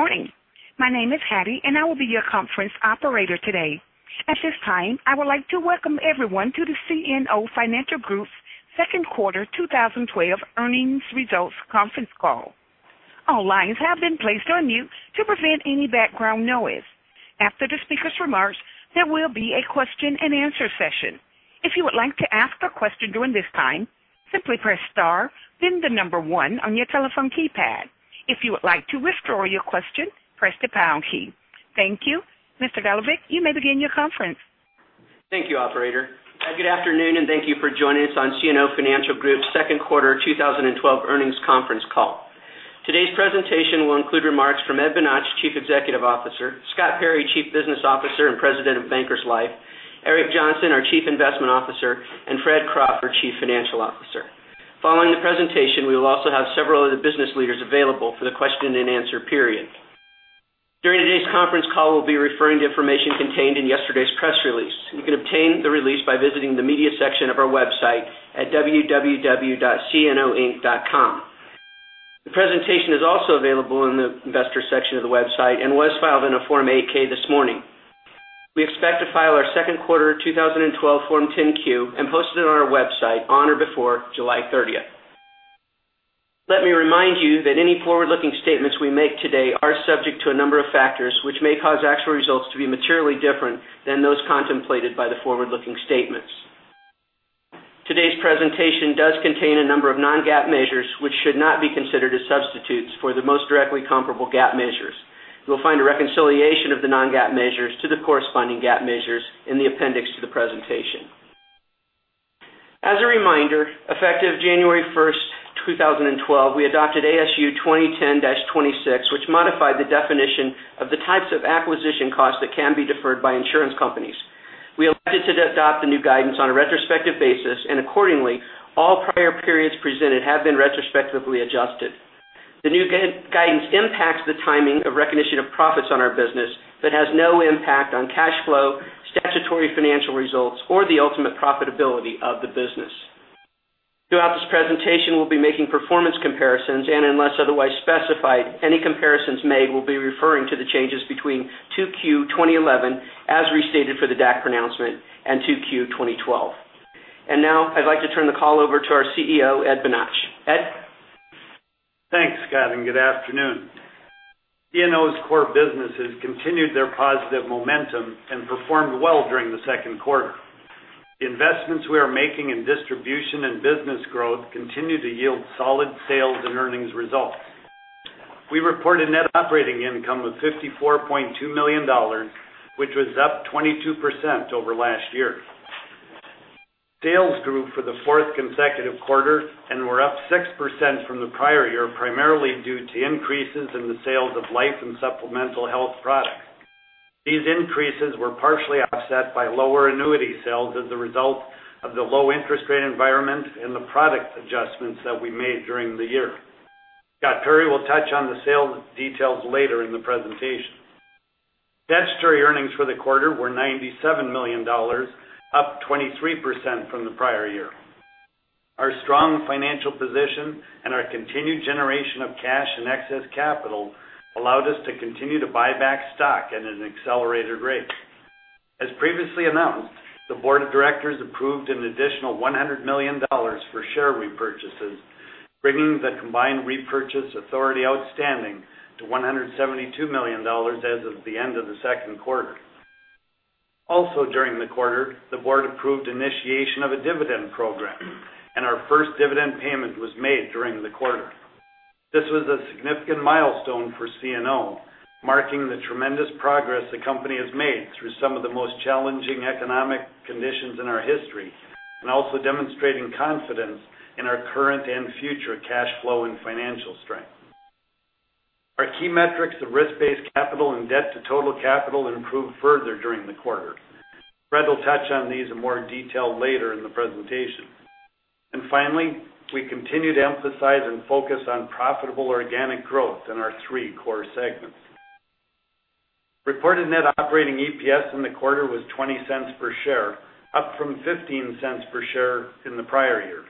Morning. My name is Hattie, and I will be your conference operator today. At this time, I would like to welcome everyone to the CNO Financial Group second quarter 2012 earnings results conference call. All lines have been placed on mute to prevent any background noise. After the speaker's remarks, there will be a question and answer session. If you would like to ask a question during this time, simply press star, then the number one on your telephone keypad. If you would like to withdraw your question, press the pound key. Thank you. Mr. Goldberg, you may begin your conference. Thank you, operator. Good afternoon, and thank you for joining us on CNO Financial Group's second quarter 2012 earnings conference call. Today's presentation will include remarks from Ed Bonach, Chief Executive Officer, Scott Perry, Chief Business Officer and President of Bankers Life, Eric Johnson, our Chief Investment Officer, and Fred Crawford, Chief Financial Officer. Following the presentation, we will also have several of the business leaders available for the question and answer period. During today's conference call, we'll be referring to information contained in yesterday's press release. You can obtain the release by visiting the media section of our website at www.cnoinc.com. The presentation is also available in the investor section of the website and was filed in a Form 8-K this morning. We expect to file our second quarter 2012 Form 10-Q, and post it on our website on or before July 30th. Let me remind you that any forward-looking statements we make today are subject to a number of factors which may cause actual results to be materially different than those contemplated by the forward-looking statements. Today's presentation does contain a number of non-GAAP measures which should not be considered as substitutes for the most directly comparable GAAP measures. You'll find a reconciliation of the non-GAAP measures to the corresponding GAAP measures in the appendix to the presentation. As a reminder, effective January first, 2012, we adopted ASU 2010-26, which modified the definition of the types of acquisition costs that can be deferred by insurance companies. We elected to adopt the new guidance on a retrospective basis, and accordingly, all prior periods presented have been retrospectively adjusted. The new guidance impacts the timing of recognition of profits on our business that has no impact on cash flow, statutory financial results, or the ultimate profitability of the business. Throughout this presentation, we'll be making performance comparisons, and unless otherwise specified, any comparisons made will be referring to the changes between 2Q 2011, as restated for the DAC pronouncement, and 2Q 2012. Now I'd like to turn the call over to our CEO, Ed Bonach. Ed? Thanks, Scott. Good afternoon. CNO's core businesses continued their positive momentum and performed well during the second quarter. The investments we are making in distribution and business growth continue to yield solid sales and earnings results. We reported net operating income of $54.2 million, which was up 22% over last year. Sales grew for the fourth consecutive quarter and were up 6% from the prior year, primarily due to increases in the sales of life and supplemental health products. These increases were partially offset by lower annuity sales as a result of the low interest rate environment and the product adjustments that we made during the year. Scott Perry will touch on the sales details later in the presentation. Statutory earnings for the quarter were $97 million, up 23% from the prior year. Our strong financial position and our continued generation of cash and excess capital allowed us to continue to buy back stock at an accelerated rate. As previously announced, the board of directors approved an additional $100 million for share repurchases, bringing the combined repurchase authority outstanding to $172 million as of the end of the second quarter. Also during the quarter, the board approved initiation of a dividend program, and our first dividend payment was made during the quarter. This was a significant milestone for CNO, marking the tremendous progress the company has made through some of the most challenging economic conditions in our history, and also demonstrating confidence in our current and future cash flow and financial strength. Our key metrics of risk-based capital and debt to total capital improved further during the quarter. Fred will touch on these in more detail later in the presentation. Finally, we continue to emphasize and focus on profitable organic growth in our three core segments. Reported net operating EPS in the quarter was $0.20 per share, up from $0.15 per share in the prior year.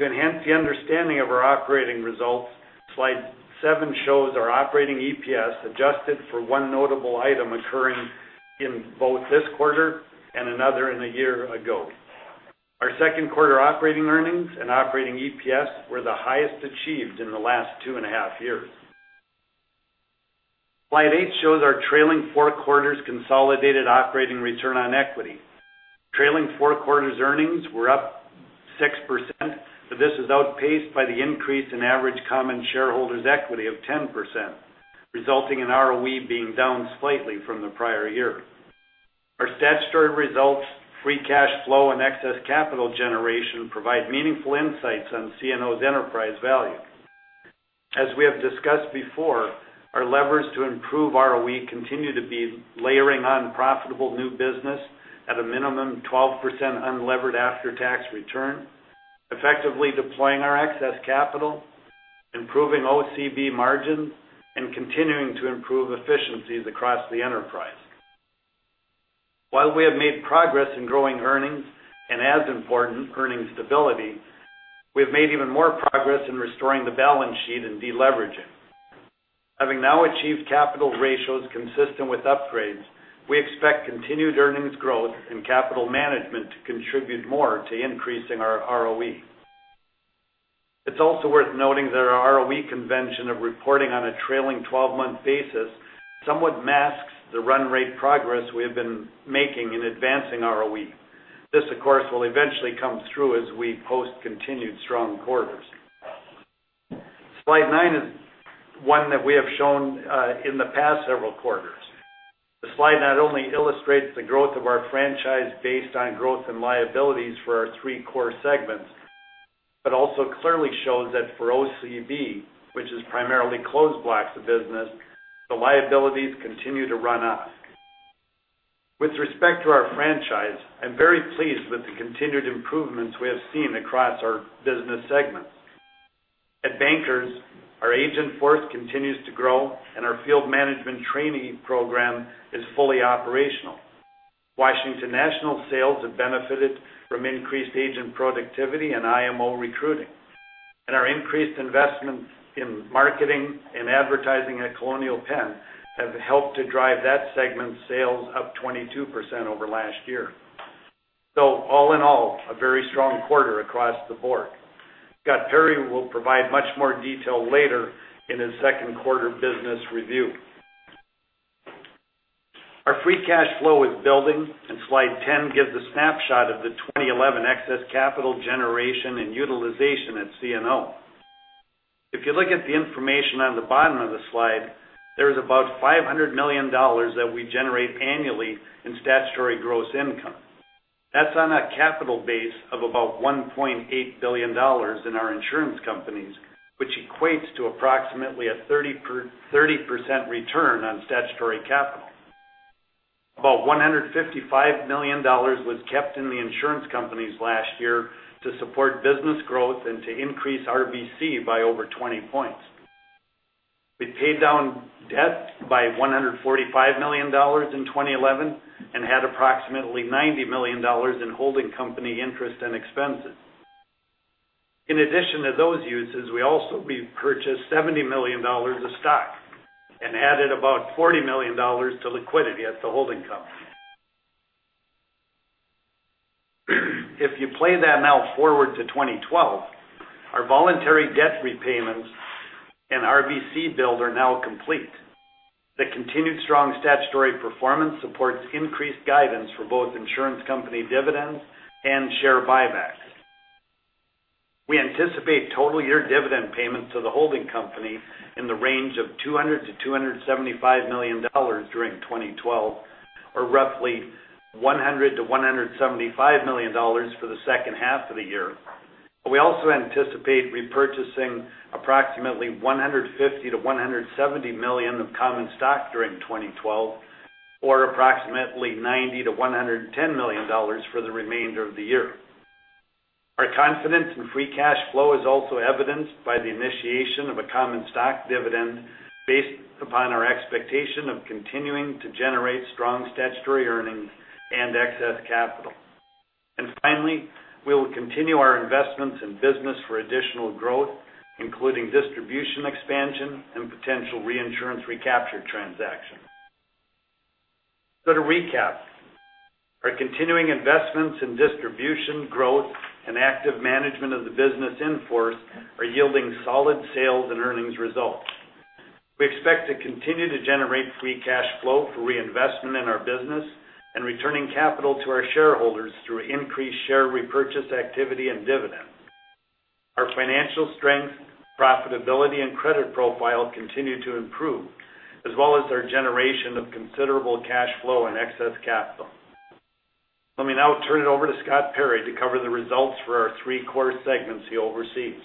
To enhance the understanding of our operating results, slide seven shows our operating EPS adjusted for one notable item occurring in both this quarter and another in a year ago. Our second quarter operating earnings and operating EPS were the highest achieved in the last two and a half years. Slide eight shows our trailing four quarters consolidated operating return on equity. Trailing four quarters' earnings were up 6%, but this is outpaced by the increase in average common shareholders' equity of 10%, resulting in ROE being down slightly from the prior year. Our statutory results, free cash flow, and excess capital generation provide meaningful insights on CNO's enterprise value. As we have discussed before, our levers to improve ROE continue to be layering on profitable new business at a minimum 12% unlevered after-tax return, effectively deploying our excess capital, improving OCB margin, and continuing to improve efficiencies across the enterprise. While we have made progress in growing earnings, and as important, earning stability, we've made even more progress in restoring the balance sheet and deleveraging. Having now achieved capital ratios consistent with upgrades, we expect continued earnings growth and capital management to contribute more to increasing our ROE. It's also worth noting that our ROE convention of reporting on a trailing 12-month basis somewhat masks the run rate progress we have been making in advancing ROE. This, of course, will eventually come through as we post continued strong quarters. Slide nine is one that we have shown in the past several quarters. The slide not only illustrates the growth of our franchise based on growth and liabilities for our three core segments, but also clearly shows that for OCB, which is primarily closed blocks of business, the liabilities continue to run up. With respect to our franchise, I am very pleased with the continued improvements we have seen across our business segments. At Bankers, our agent force continues to grow, and our field management trainee program is fully operational. Washington National sales have benefited from increased agent productivity and IMO recruiting. Our increased investments in marketing and advertising at Colonial Penn have helped to drive that segment's sales up 22% over last year. All in all, a very strong quarter across the board. Scott Perry will provide much more detail later in his second quarter business review. Our free cash flow is building. Slide 10 gives a snapshot of the 2011 excess capital generation and utilization at CNO. If you look at the information on the bottom of the slide, there is about $500 million that we generate annually in statutory gross income. That is on a capital base of about $1.8 billion in our insurance companies, which equates to approximately a 30% return on statutory capital. About $155 million was kept in the insurance companies last year to support business growth and to increase RBC by over 20 points. We paid down debt by $145 million in 2011 and had approximately $90 million in holding company interest and expenses. In addition to those uses, we also purchased $70 million of stock and added about $40 million to liquidity at the holding company. If you play that now forward to 2012, our voluntary debt repayments and RBC build are now complete. The continued strong statutory performance supports increased guidance for both insurance company dividends and share buybacks. We anticipate total year dividend payments to the holding company in the range of $200 million-$275 million during 2012, or roughly $100 million-$175 million for the second half of the year. We also anticipate repurchasing approximately $150 million-$170 million of common stock during 2012, or approximately $90 million-$110 million for the remainder of the year. Our confidence in free cash flow is also evidenced by the initiation of a common stock dividend based upon our expectation of continuing to generate strong statutory earnings and excess capital. Finally, we will continue our investments in business for additional growth, including distribution expansion and potential reinsurance recapture transaction. To recap, our continuing investments in distribution, growth, and active management of the business in force are yielding solid sales and earnings results. We expect to continue to generate free cash flow for reinvestment in our business and returning capital to our shareholders through increased share repurchase activity and dividends. Our financial strength, profitability, and credit profile continue to improve, as well as our generation of considerable cash flow and excess capital. Let me now turn it over to Scott Perry to cover the results for our three core segments he oversees.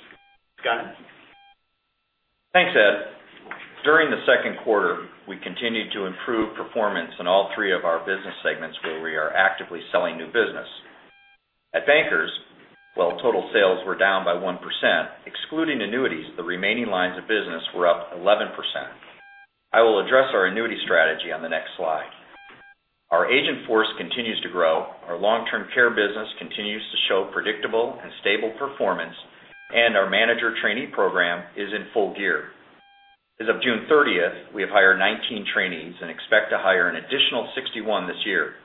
Scott? Thanks, Ed. During the second quarter, we continued to improve performance in all 3 of our business segments where we are actively selling new business. At Bankers, while total sales were down by 1%, excluding annuities, the remaining lines of business were up 11%. I will address our annuity strategy on the next slide. Our agent force continues to grow, our long-term care business continues to show predictable and stable performance, and our manager trainee program is in full gear. As of June 30th, we have hired 19 trainees and expect to hire an additional 61 this year.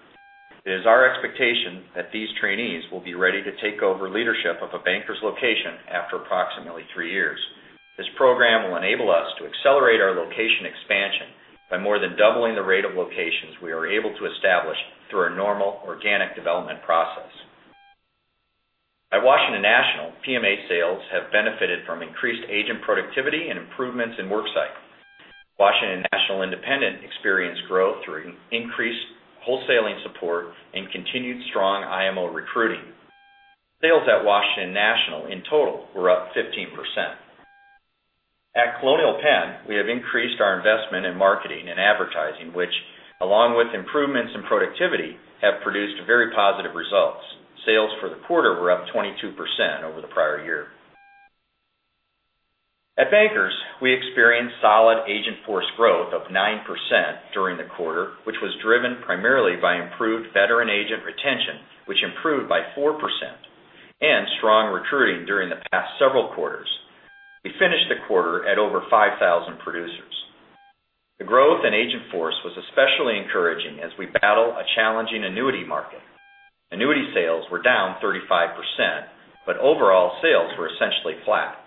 It is our expectation that these trainees will be ready to take over leadership of a Bankers location after approximately 3 years. This program will enable us to accelerate our location expansion by more than doubling the rate of locations we are able to establish through our normal organic development process. At Washington National, PMA sales have benefited from increased agent productivity and improvements in work site. Washington National Independent experienced growth through increased wholesaling support and continued strong IMO recruiting. Sales at Washington National in total were up 15%. At Colonial Penn, we have increased our investment in marketing and advertising, which, along with improvements in productivity, have produced a very positive- Up 22% over the prior year. At Bankers, we experienced solid agent force growth of 9% during the quarter, which was driven primarily by improved veteran agent retention, which improved by 4%, and strong recruiting during the past several quarters. We finished the quarter at over 5,000 producers. The growth in agent force was especially encouraging as we battle a challenging annuity market. Annuity sales were down 35%, but overall sales were essentially flat.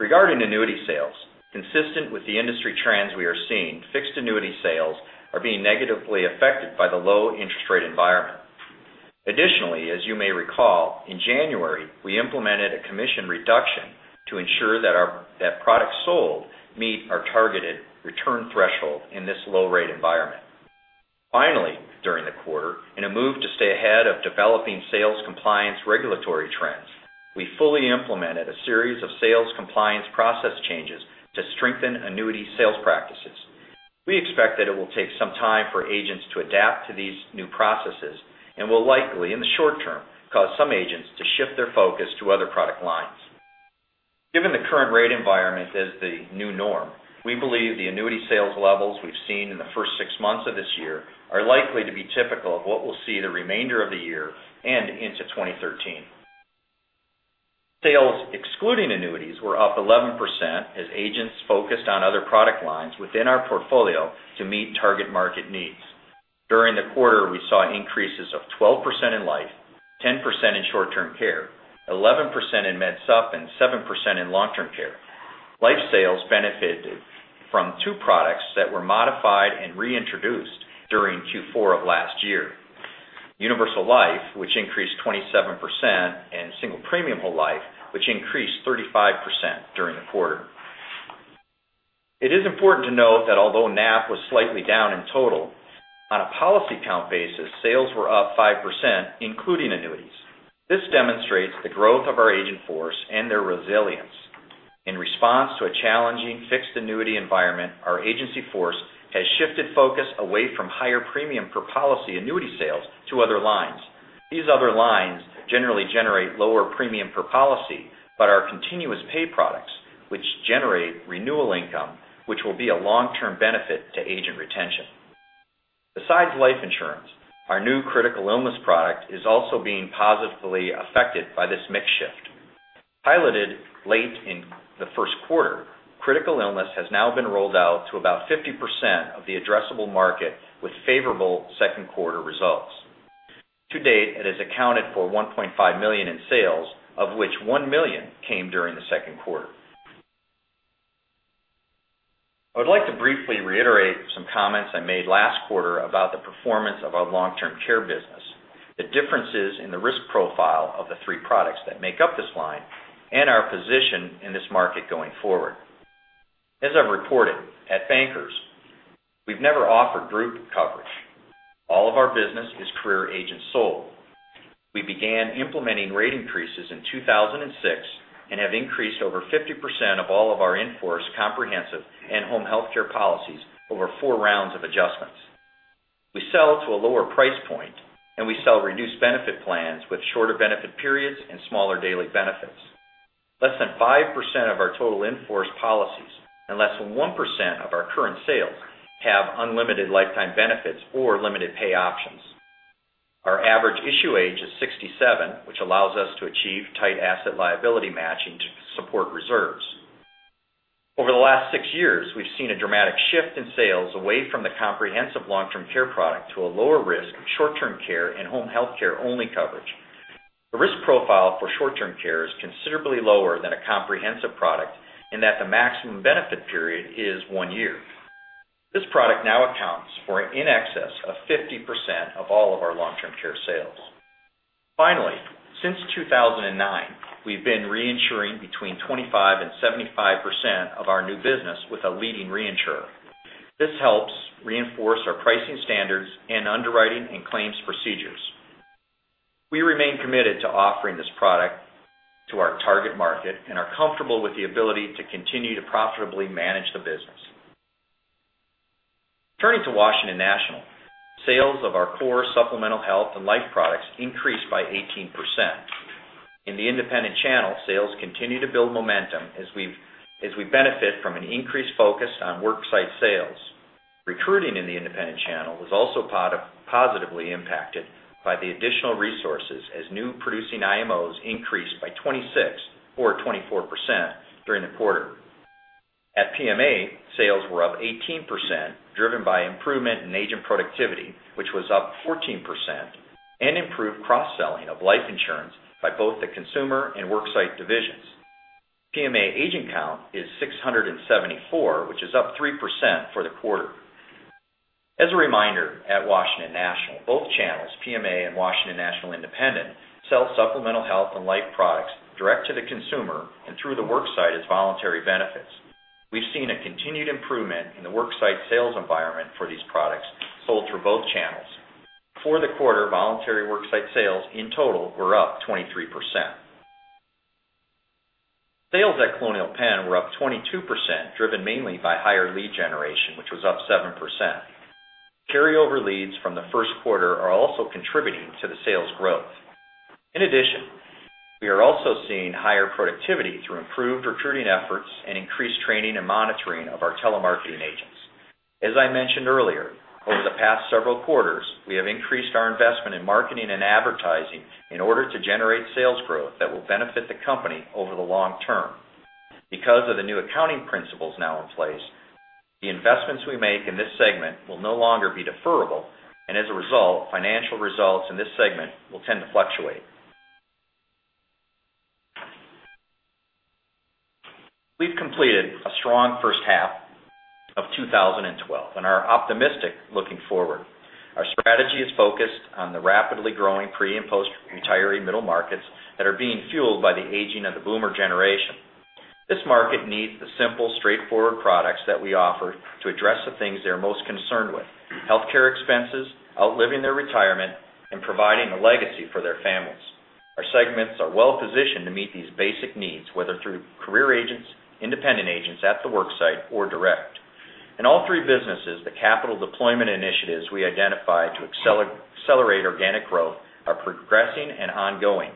Regarding annuity sales, consistent with the industry trends we are seeing, fixed annuity sales are being negatively affected by the low interest rate environment. Additionally, as you may recall, in January, we implemented a commission reduction to ensure that products sold meet our targeted return threshold in this low rate environment. Finally, during the quarter, in a move to stay ahead of developing sales compliance regulatory trends, we fully implemented a series of sales compliance process changes to strengthen annuity sales practices. We expect that it will take some time for agents to adapt to these new processes and will likely, in the short term, cause some agents to shift their focus to other product lines. Given the current rate environment as the new norm, we believe the annuity sales levels we've seen in the first 6 months of this year are likely to be typical of what we'll see the remainder of the year and into 2013. Sales excluding annuities were up 11% as agents focused on other product lines within our portfolio to meet target market needs. During the quarter, we saw increases of 12% in life, 10% in short-term care, 11% in med supp, and 7% in long-term care. Life sales benefited from 2 products that were modified and reintroduced during Q4 of last year. Universal Life, which increased 27%, and Single Premium Whole Life, which increased 35% during the quarter. It is important to note that although NAP was slightly down in total, on a policy count basis, sales were up 5%, including annuities. This demonstrates the growth of our agent force and their resilience. In response to a challenging fixed annuity environment, our agency force has shifted focus away from higher premium per policy annuity sales to other lines. These other lines generally generate lower premium per policy, but are continuous pay products, which generate renewal income, which will be a long-term benefit to agent retention. Besides life insurance, our new critical illness product is also being positively affected by this mix shift. Piloted late in the first quarter, critical illness has now been rolled out to about 50% of the addressable market with favorable second quarter results. To date, it has accounted for $1.5 million in sales, of which $1 million came during the second quarter. I would like to briefly reiterate some comments I made last quarter about the performance of our long-term care business, the differences in the risk profile of the three products that make up this line, and our position in this market going forward. As I've reported, at Bankers, we've never offered group coverage. All of our business is career agent sold. We began implementing rate increases in 2006 and have increased over 50% of all of our in-force comprehensive and home health care policies over four rounds of adjustments. We sell to a lower price point, and we sell reduced benefit plans with shorter benefit periods and smaller daily benefits. Less than 5% of our total in-force policies and less than 1% of our current sales have unlimited lifetime benefits or limited pay options. Our average issue age is 67, which allows us to achieve tight asset liability matching to support reserves. Over the last six years, we've seen a dramatic shift in sales away from the comprehensive long-term care product to a lower risk short-term care and home health care only coverage. The risk profile for short-term care is considerably lower than a comprehensive product in that the maximum benefit period is one year. This product now accounts for in excess of 50% of all of our long-term care sales. Finally, since 2009, we've been reinsuring between 25% and 75% of our new business with a leading reinsurer. This helps reinforce our pricing standards and underwriting and claims procedures. We remain committed to offering this product to our target market and are comfortable with the ability to continue to profitably manage the business. Turning to Washington National, sales of our core supplemental health and life products increased by 18%. In the independent channel, sales continue to build momentum as we benefit from an increased focus on work site sales. Recruiting in the independent channel was also positively impacted by the additional resources as new producing IMOs increased by 26 or 24% during the quarter. At PMA, sales were up 18%, driven by improvement in agent productivity, which was up 14%, and improved cross-selling of life insurance by both the consumer and work site divisions. PMA agent count is 674, which is up 3% for the quarter. As a reminder, at Washington National, both channels, PMA and Washington National Independent, sell supplemental health and life products direct to the consumer and through the work site as voluntary benefits. We've seen a continued improvement in the work site sales environment for these products sold through both channels. For the quarter, voluntary work site sales in total were up 23%. Sales at Colonial Penn were up 22%, driven mainly by higher lead generation, which was up 7%. Carryover leads from the first quarter are also contributing to the sales growth. In addition, we are also seeing higher productivity through improved recruiting efforts and increased training and monitoring of our telemarketing agents. As I mentioned earlier, over the past several quarters, we have increased our investment in marketing and advertising in order to generate sales growth that will benefit the company over the long term. Because of the new accounting principles now in place, the investments we make in this segment will no longer be deferrable, and as a result, financial results in this segment will tend to fluctuate. We've completed a strong first half of 2012 and are optimistic looking forward. Our strategy is focused on the rapidly growing pre and post-retiree middle markets that are being fueled by the aging of the boomer generation. This market needs the simple, straightforward products that we offer to address the things they're most concerned with; healthcare expenses, outliving their retirement, and providing a legacy for their families. Our segments are well-positioned to meet these basic needs, whether through career agents, independent agents at the work site, or direct. In all three businesses, the capital deployment initiatives we identify to accelerate organic growth are progressing and ongoing.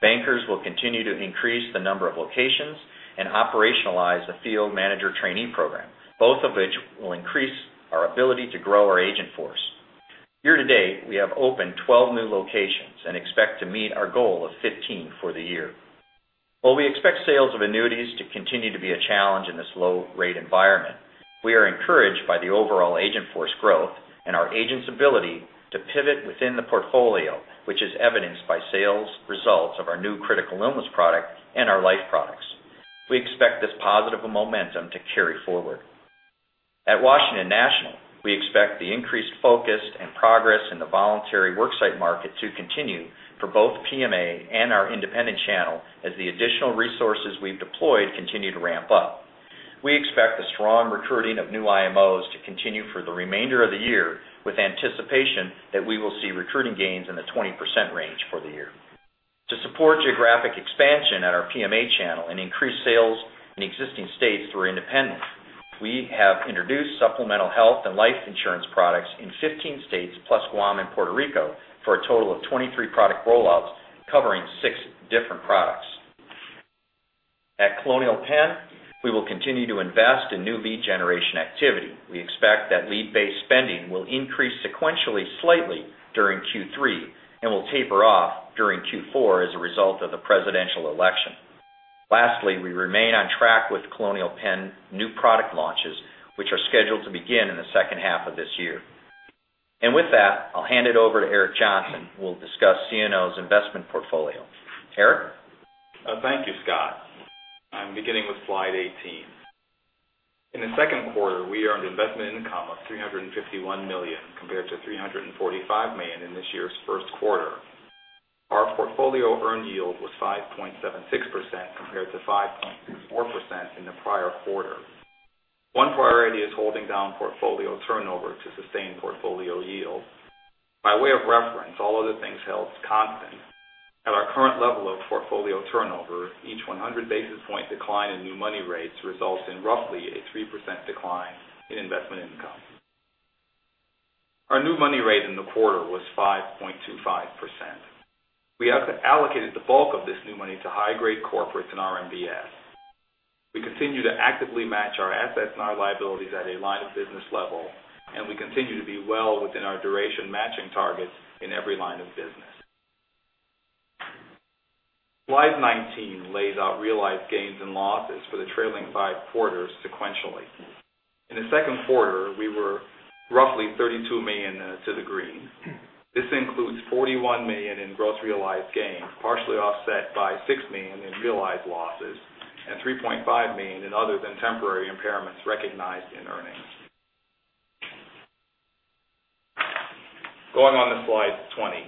Bankers will continue to increase the number of locations and operationalize the field manager trainee program, both of which will increase our ability to grow our agent force. Year to date, we have opened 12 new locations and expect to meet our goal of 15 for the year. While we expect sales of annuities to continue to be a challenge in this low rate environment, we are encouraged by the overall agent force growth and our agents' ability to pivot within the portfolio, which is evidenced by sales results of our new critical illness product and our life products. We expect this positive momentum to carry forward. At Washington National, we expect the increased focus and progress in the voluntary worksite market to continue for both PMA and our Independent channel as the additional resources we've deployed continue to ramp up. We expect the strong recruiting of new IMOs to continue for the remainder of the year with anticipation that we will see recruiting gains in the 20% range for the year. To support geographic expansion at our PMA channel and increase sales in existing states through Independent, we have introduced supplemental health and life insurance products in 15 states, plus Guam and Puerto Rico, for a total of 23 product rollouts covering six different products. At Colonial Penn, we will continue to invest in new lead generation activity. We expect that lead-based spending will increase sequentially slightly during Q3 and will taper off during Q4 as a result of the presidential election. Lastly, we remain on track with Colonial Penn new product launches, which are scheduled to begin in the second half of this year. With that, I'll hand it over to Eric Johnson, who will discuss CNO's investment portfolio. Eric? Thank you, Scott. I'm beginning with slide 18. In the second quarter, we earned investment income of $351 million compared to $345 million in this year's first quarter. Our portfolio earned yield was 5.76% compared to 5.4% in the prior quarter. One priority is holding down portfolio turnover to sustain portfolio yield. By way of reference, all other things held constant. At our current level of portfolio turnover, each 100 basis point decline in new money rates results in roughly a 3% decline in investment income. Our new money rate in the quarter was 5.25%. We allocated the bulk of this new money to high-grade corporates and RMBS. We continue to actively match our assets and our liabilities at a line of business level. We continue to be well within our duration matching targets in every line of business. Slide 19 lays out realized gains and losses for the trailing five quarters sequentially. In the second quarter, we were roughly $32 million to the green. This includes $41 million in gross realized gains, partially offset by $6 million in realized losses and $3.5 million in other than temporary impairments recognized in earnings. Going on to slide 20.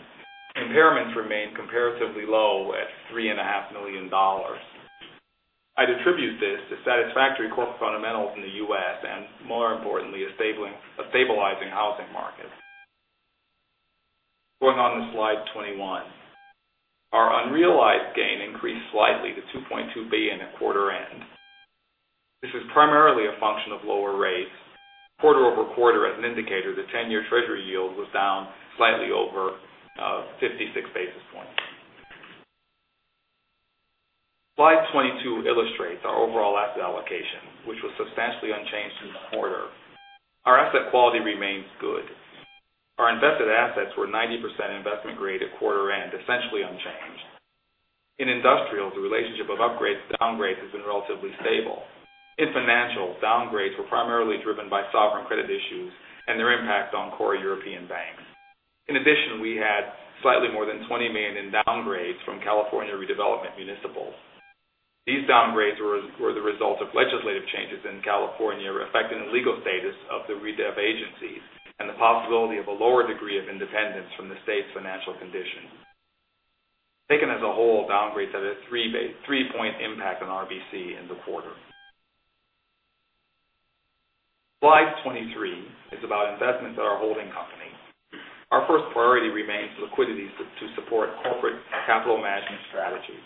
Impairments remain comparatively low at $3.5 million. I'd attribute this to satisfactory corporate fundamentals in the U.S. and more importantly, a stabilizing housing market. Going on to slide 21. Our unrealized gain increased slightly to $2.2 billion at quarter end. This is primarily a function of lower rates. Quarter-over-quarter as an indicator, the 10-year treasury yield was down slightly over 56 basis points. Slide 22 illustrates our overall asset allocation, which was substantially unchanged through the quarter. Our asset quality remains good. Our invested assets were 90% investment grade at quarter end, essentially unchanged. In industrials, the relationship of upgrades to downgrades has been relatively stable. In financials, downgrades were primarily driven by sovereign credit issues and their impact on core European banks. In addition, we had slightly more than $20 million in downgrades from California redevelopment municipals. These downgrades were the result of legislative changes in California affecting the legal status of the redev agencies and the possibility of a lower degree of independence from the state's financial condition. Taken as a whole, downgrades had a three-point impact on RBC in the quarter. Slide 23 is about investments at our holding company. Our first priority remains liquidity to support corporate and capital management strategies.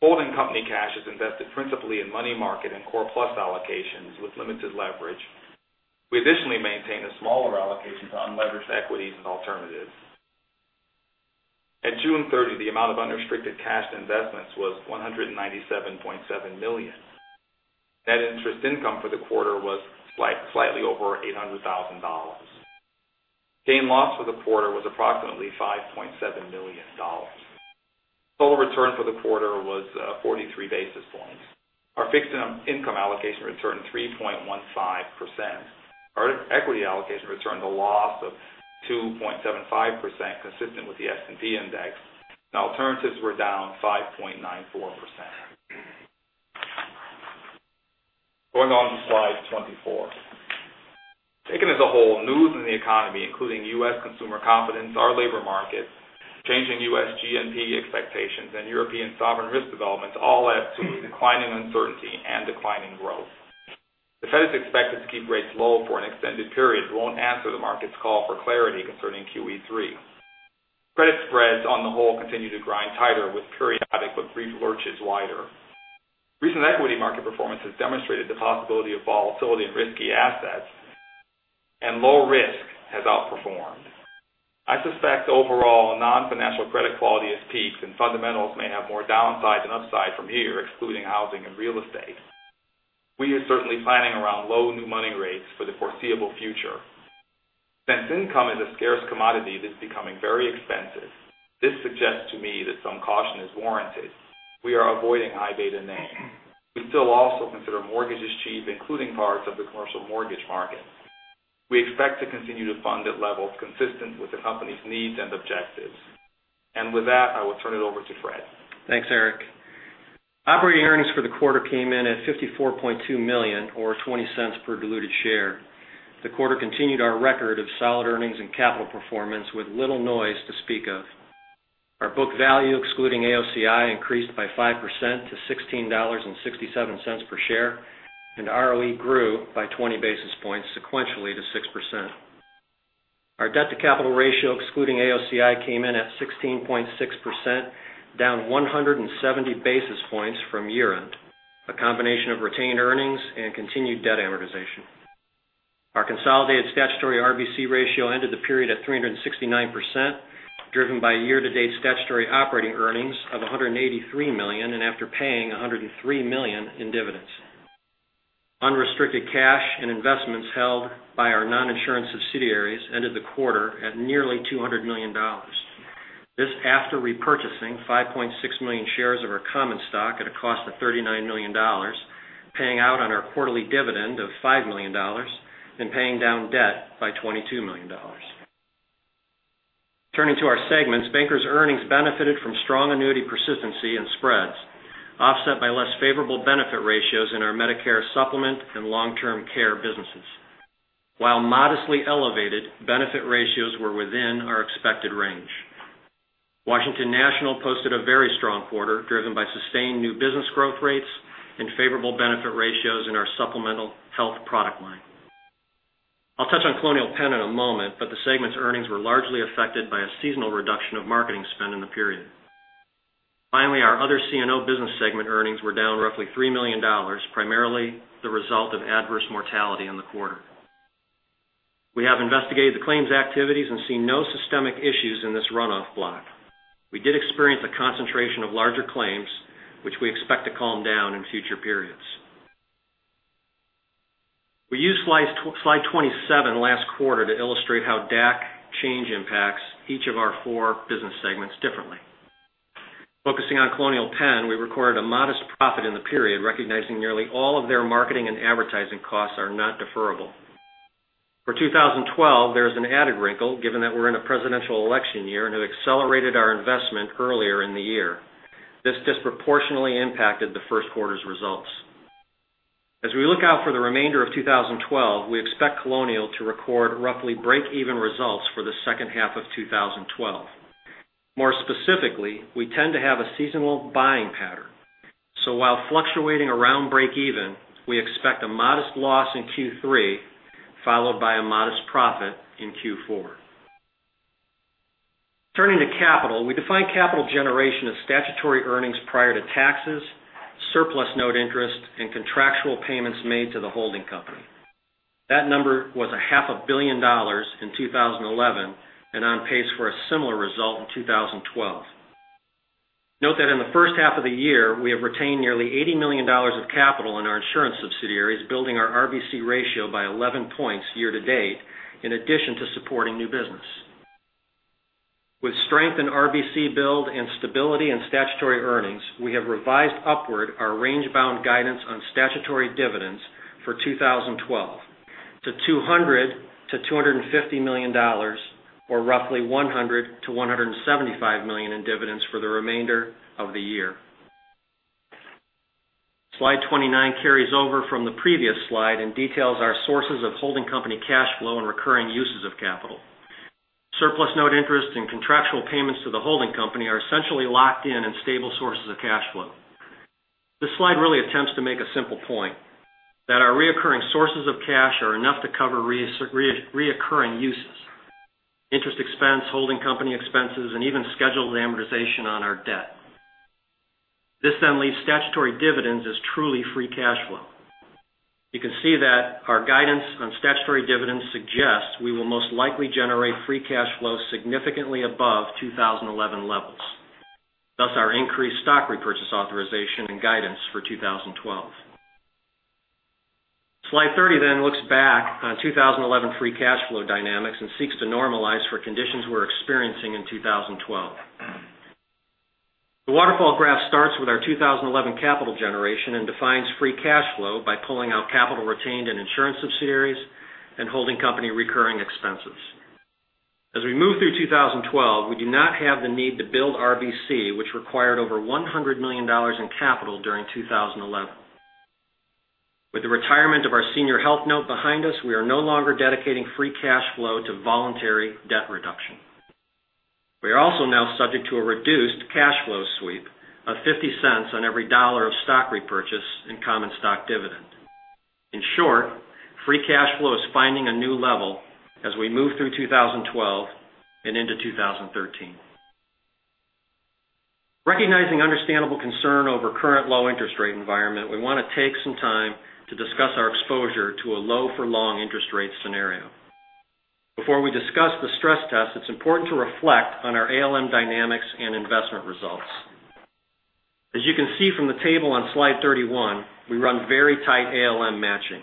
Holding company cash is invested principally in money market and core plus allocations with limited leverage. We additionally maintain a smaller allocation to unlevered equities and alternatives. At June 30, the amount of unrestricted cash investments was $197.7 million. Net interest income for the quarter was slightly over $800,000. Gain loss for the quarter was approximately $5.7 million. Total return for the quarter was 43 basis points. Our fixed income allocation returned 3.15%. Our equity allocation returned a loss of 2.75%, consistent with the S&P Index. Alternatives were down 5.94%. Going on to slide 24. Taken as a whole, news in the economy, including U.S. consumer confidence, our labor markets, changing U.S. GNP expectations, and European sovereign risk developments all add to declining uncertainty and declining growth. The Fed is expected to keep rates low for an extended period, but won't answer the market's call for clarity concerning QE3. Credit spreads on the whole continue to grind tighter with periodic but brief lurches wider. Recent equity market performance has demonstrated the possibility of volatility in risky assets. Low risk has outperformed. I suspect overall non-financial credit quality has peaked, and fundamentals may have more downside than upside from here, excluding housing and real estate. We are certainly planning around low new money rates for the foreseeable future. Since income is a scarce commodity that's becoming very expensive, this suggests to me that some caution is warranted. We are avoiding high beta names. We still also consider mortgages cheap, including parts of the commercial mortgage market. We expect to continue to fund at levels consistent with the company's needs and objectives. With that, I will turn it over to Fred. Thanks, Eric. Operating earnings for the quarter came in at $54.2 million or $0.20 per diluted share. The quarter continued our record of solid earnings and capital performance with little noise to speak of. Our book value, excluding AOCI, increased by 5% to $16.67 per share, and ROE grew by 20 basis points sequentially to 6%. Our debt-to-capital ratio, excluding AOCI, came in at 16.6%, down 170 basis points from year-end. A combination of retained earnings and continued debt amortization. Our consolidated statutory RBC ratio ended the period at 369%, driven by year-to-date statutory operating earnings of $183 million, and after paying $103 million in dividends. Unrestricted cash and investments held by our non-insurance subsidiaries ended the quarter at nearly $200 million. This after repurchasing 5.6 million shares of our common stock at a cost of $39 million, paying out on our quarterly dividend of $5 million, and paying down debt by $22 million. Turning to our segments, Bankers earnings benefited from strong annuity persistency and spreads, offset by less favorable benefit ratios in our Medicare Supplement and Long-Term Care businesses. While modestly elevated, benefit ratios were within our expected range. Washington National posted a very strong quarter, driven by sustained new business growth rates and favorable benefit ratios in our supplemental health product line. I'll touch on Colonial Penn in a moment, but the segment's earnings were largely affected by a seasonal reduction of marketing spend in the period. Finally, our Other CNO Business segment earnings were down roughly $3 million, primarily the result of adverse mortality in the quarter. We have investigated the claims activities and seen no systemic issues in this runoff block. We did experience a concentration of larger claims, which we expect to calm down in future periods. We used slide 27 last quarter to illustrate how DAC change impacts each of our four business segments differently. Focusing on Colonial Penn, we recorded a modest profit in the period, recognizing nearly all of their marketing and advertising costs are not deferrable. For 2012, there is an added wrinkle, given that we're in a presidential election year and had accelerated our investment earlier in the year. This disproportionately impacted the first quarter's results. As we look out for the remainder of 2012, we expect Colonial to record roughly break-even results for the second half of 2012. More specifically, we tend to have a seasonal buying pattern. While fluctuating around break-even, we expect a modest loss in Q3, followed by a modest profit in Q4. Turning to capital, we define capital generation as statutory earnings prior to taxes, surplus note interest, and contractual payments made to the holding company. That number was a half a billion dollars in 2011 and on pace for a similar result in 2012. Note that in the first half of the year, we have retained nearly $80 million of capital in our insurance subsidiaries, building our RBC ratio by 11 points year-to-date, in addition to supporting new business. With strength in RBC build and stability in statutory earnings, we have revised upward our range-bound guidance on statutory dividends for 2012 to $200 million-$250 million, or roughly $100 million-$175 million in dividends for the remainder of the year. Slide 29 carries over from the previous slide and details our sources of holding company cash flow and recurring uses of capital. Surplus note interest and contractual payments to the holding company are essentially locked in and stable sources of cash flow. This slide really attempts to make a simple point, that our recurring sources of cash are enough to cover recurring uses, interest expense, holding company expenses, and even scheduled amortization on our debt. This then leaves statutory dividends as truly free cash flow. You can see that our guidance on statutory dividends suggests we will most likely generate free cash flow significantly above 2011 levels, thus our increased stock repurchase authorization and guidance for 2012. Slide 30 looks back on 2011 free cash flow dynamics and seeks to normalize for conditions we're experiencing in 2012. The waterfall graph starts with our 2011 capital generation and defines free cash flow by pulling out capital retained in insurance subsidiaries and holding company recurring expenses. As we move through 2012, we do not have the need to build RBC, which required over $100 million in capital during 2011. With the retirement of our senior health note behind us, we are no longer dedicating free cash flow to voluntary debt reduction. We are also now subject to a reduced cash flow sweep of $0.50 on every dollar of stock repurchase and common stock dividend. In short, free cash flow is finding a new level as we move through 2012 and into 2013. Recognizing understandable concern over current low interest rate environment, we want to take some time to discuss our exposure to a low-for-long interest rate scenario. Before we discuss the stress test, it's important to reflect on our ALM dynamics and investment results. As you can see from the table on slide 31, we run very tight ALM matching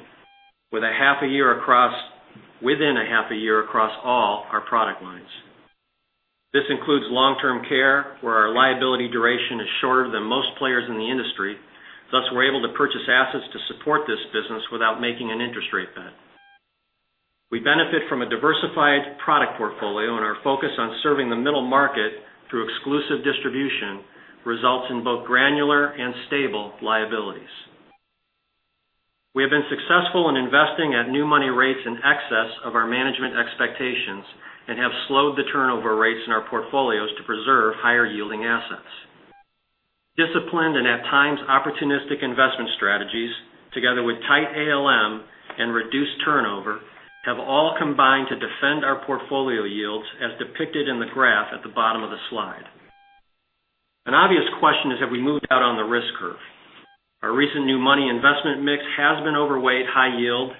within a half a year across all our product lines. This includes long-term care, where our liability duration is shorter than most players in the industry, thus we're able to purchase assets to support this business without making an interest rate bet. We benefit from a diversified product portfolio, and our focus on serving the middle market through exclusive distribution results in both granular and stable liabilities. We have been successful in investing at new money rates in excess of our management expectations and have slowed the turnover rates in our portfolios to preserve higher-yielding assets. Disciplined and at times opportunistic investment strategies, together with tight ALM and reduced turnover, have all combined to defend our portfolio yields as depicted in the graph at the bottom of the slide. An obvious question is have we moved out on the risk curve? Our recent new money investment mix has been overweight high yield,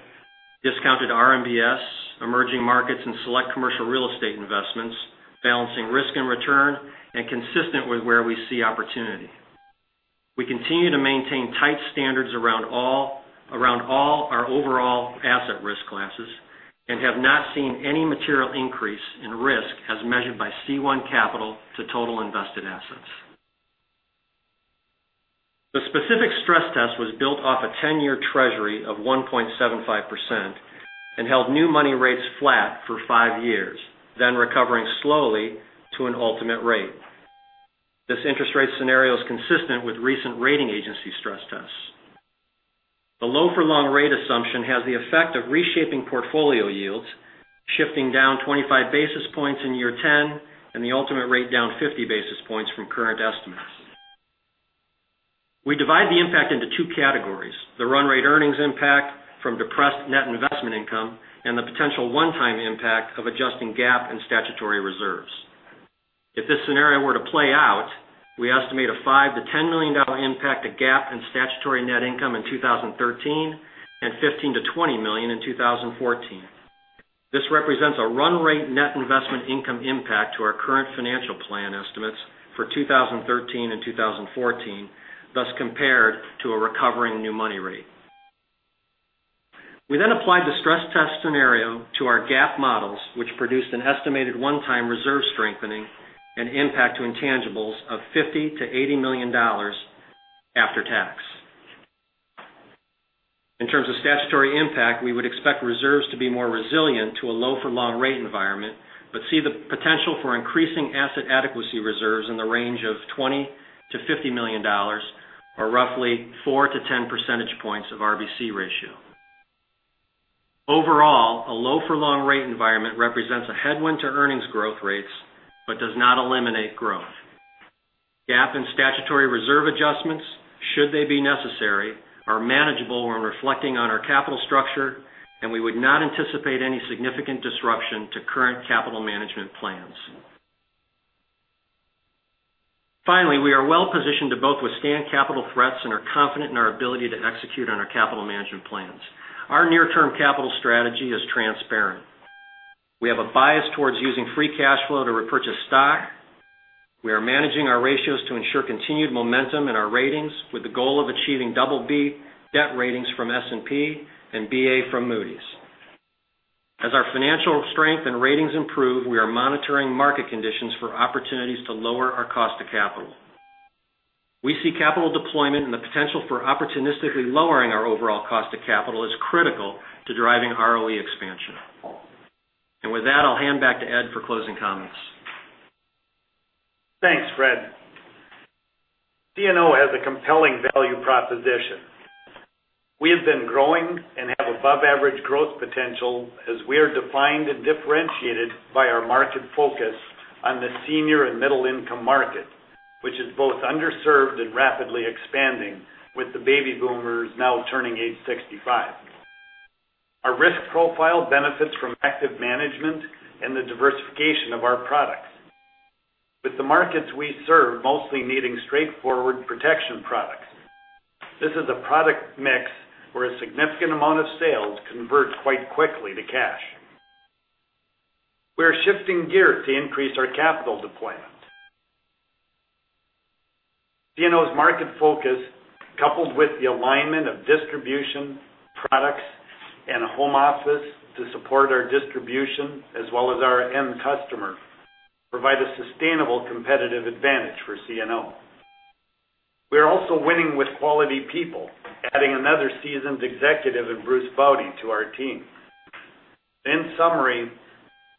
discounted RMBS, emerging markets, and select commercial real estate investments, balancing risk and return and consistent with where we see opportunity. We continue to maintain tight standards around all our overall asset risk classes and have not seen any material increase in risk as measured by C1 capital to total invested assets. The specific stress test was built off a 10-year treasury of 1.75% and held new money rates flat for five years, then recovering slowly to an ultimate rate. This interest rate scenario is consistent with recent rating agency stress tests. The low for long rate assumption has the effect of reshaping portfolio yields, shifting down 25 basis points in year 10 and the ultimate rate down 50 basis points from current estimates. We divide the impact into two categories, the run rate earnings impact from depressed net investment income and the potential one-time impact of adjusting GAAP and statutory reserves. If this scenario were to play out, we estimate a $5 million-$10 million impact to GAAP and statutory net income in 2013 and $15 million-$20 million in 2014. This represents a run rate net investment income impact to our current financial plan estimates for 2013 and 2014, thus compared to a recovering new money rate. We applied the stress test scenario to our GAAP models, which produced an estimated one-time reserve strengthening and impact to intangibles of $50 million-$80 million after tax. In terms of statutory impact, we would expect reserves to be more resilient to a low for long rate environment, but see the potential for increasing asset adequacy reserves in the range of $20 million-$50 million, or roughly four to 10 percentage points of RBC ratio. Overall, a low for long rate environment represents a headwind to earnings growth rates but does not eliminate growth. GAAP and statutory reserve adjustments, should they be necessary, are manageable when reflecting on our capital structure, and we would not anticipate any significant disruption to current capital management plans. Finally, we are well positioned to both withstand capital threats and are confident in our ability to execute on our capital management plans. Our near-term capital strategy is transparent. We have a bias towards using free cash flow to repurchase stock. We are managing our ratios to ensure continued momentum in our ratings with the goal of achieving BB debt ratings from S&P and Ba from Moody's. As our financial strength and ratings improve, we are monitoring market conditions for opportunities to lower our cost to capital. We see capital deployment and the potential for opportunistically lowering our overall cost of capital as critical to driving ROE expansion. With that, I'll hand back to Ed for closing comments. CNO has a compelling value proposition. We have been growing and have above-average growth potential as we are defined and differentiated by our market focus on the senior and middle-income market, which is both underserved and rapidly expanding, with the baby boomers now turning age 65. Our risk profile benefits from active management and the diversification of our products. With the markets we serve mostly needing straightforward protection products, this is a product mix where a significant amount of sales convert quite quickly to cash. We are shifting gears to increase our capital deployment. CNO's market focus, coupled with the alignment of distribution, products, and a home office to support our distribution as well as our end customer, provide a sustainable competitive advantage for CNO. We are also winning with quality people, adding another seasoned executive in Bruce Baude to our team. In summary,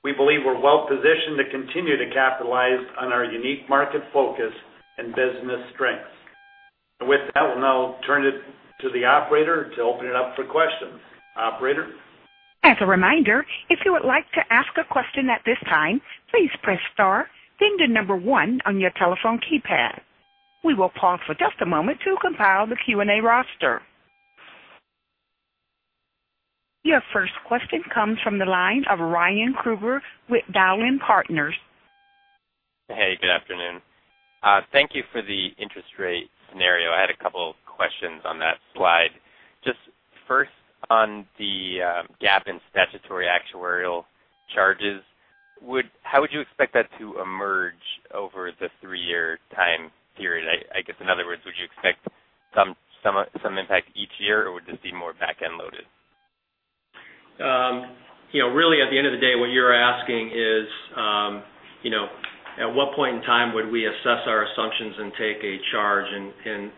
we believe we're well positioned to continue to capitalize on our unique market focus and business strengths. With that, we'll now turn it to the operator to open it up for questions. Operator? As a reminder, if you would like to ask a question at this time, please press star, then the number one on your telephone keypad. We will pause for just a moment to compile the Q&A roster. Your first question comes from the line of Ryan Krueger with Dowling & Partners. Hey, good afternoon. Thank you for the interest rate scenario. I had a couple questions on that slide. Just first on the GAAP and statutory actuarial charges, how would you expect that to emerge over the three-year time period? I guess, in other words, would you expect some impact each year, or would this be more back-end loaded? Really at the end of the day, what you're asking is at what point in time would we assess our assumptions and take a charge?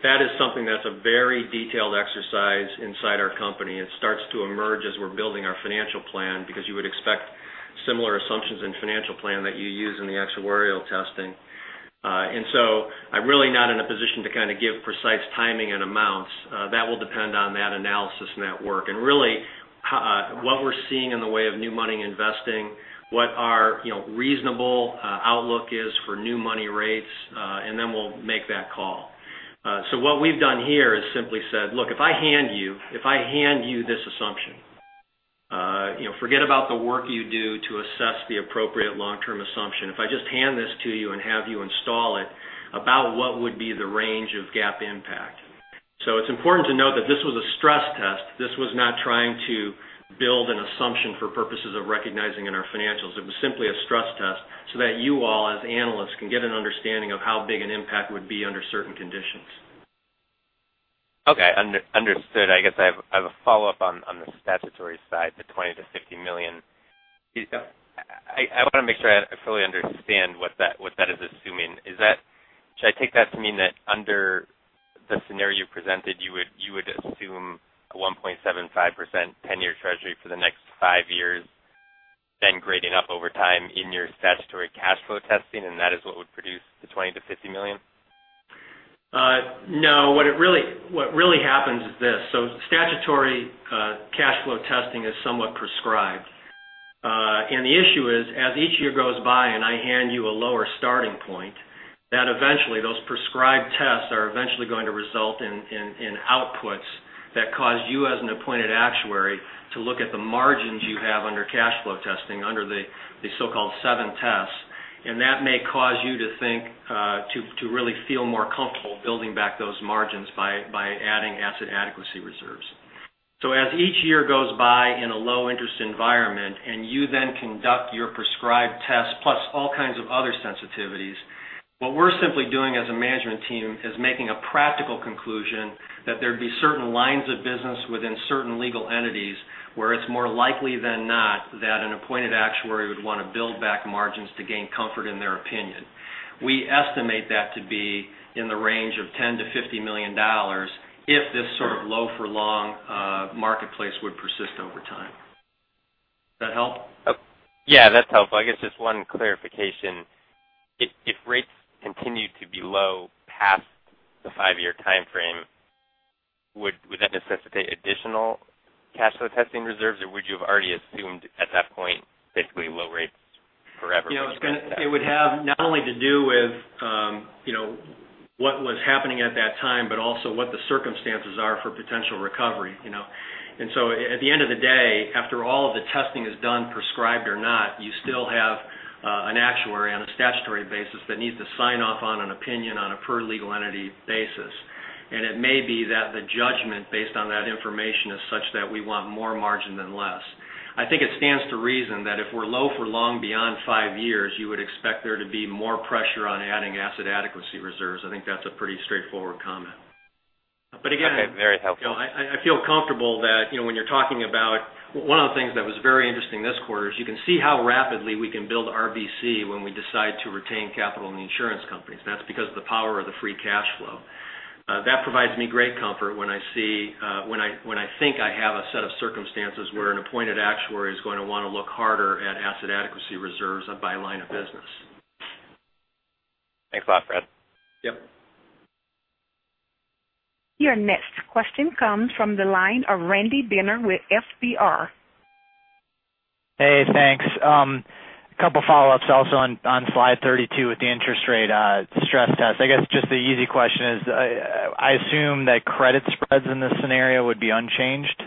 That is something that's a very detailed exercise inside our company. It starts to emerge as we're building our financial plan because you would expect similar assumptions in financial plan that you use in the actuarial testing. I'm really not in a position to give precise timing and amounts. That will depend on that analysis and that work. Really, what we're seeing in the way of new money investing, what our reasonable outlook is for new money rates, then we'll make that call. What we've done here is simply said, look, if I hand you this assumption, forget about the work you do to assess the appropriate long-term assumption. If I just hand this to you and have you install it, about what would be the range of GAAP impact? It's important to note that this was a stress test. This was not trying to build an assumption for purposes of recognizing in our financials. It was simply a stress test so that you all, as analysts, can get an understanding of how big an impact would be under certain conditions. Okay. Understood. I guess I have a follow-up on the statutory side, the $20 million-$50 million. I want to make sure I fully understand what that is assuming. Should I take that to mean that under the scenario you presented, you would assume a 1.75% 10-year Treasury for the next five years, then grading up over time in your statutory cash flow testing, that is what would produce the $20 million-$50 million? No, what really happens is this. Statutory cash flow testing is somewhat prescribed. The issue is, as each year goes by and I hand you a lower starting point, that eventually those prescribed tests are eventually going to result in outputs that cause you as an appointed actuary to look at the margins you have under cash flow testing, under the so-called seven tests. That may cause you to really feel more comfortable building back those margins by adding asset adequacy reserves. As each year goes by in a low interest environment and you then conduct your prescribed tests plus all kinds of other sensitivities, what we're simply doing as a management team is making a practical conclusion that there'd be certain lines of business within certain legal entities where it's more likely than not that an appointed actuary would want to build back margins to gain comfort in their opinion. We estimate that to be in the range of $10 million-$50 million if this sort of low for long marketplace would persist over time. Does that help? Yeah, that's helpful. I guess just one clarification. If rates continue to be low past the five-year timeframe, would that necessitate additional cash flow testing reserves, or would you have already assumed at that point basically low rates forever? It would have not only to do with what was happening at that time, but also what the circumstances are for potential recovery. At the end of the day, after all of the testing is done, prescribed or not, you still have an actuary on a statutory basis that needs to sign off on an opinion on a per legal entity basis. It may be that the judgment based on that information is such that we want more margin than less. I think it stands to reason that if we're low for long beyond five years, you would expect there to be more pressure on adding asset adequacy reserves. I think that's a pretty straightforward comment. Okay. Very helpful I feel comfortable that when you're talking about one of the things that was very interesting this quarter is you can see how rapidly we can build RBC when we decide to retain capital in the insurance companies. That's because of the power of the free cash flow. That provides me great comfort when I think I have a set of circumstances where an appointed actuary is going to want to look harder at asset adequacy reserves by line of business. Thanks a lot, Fred. Yep. Your next question comes from the line of Randy Binner with FBR. Hey, thanks. A couple follow-ups also on Slide 32 with the interest rate stress test. I guess just the easy question is, I assume that credit spreads in this scenario would be unchanged?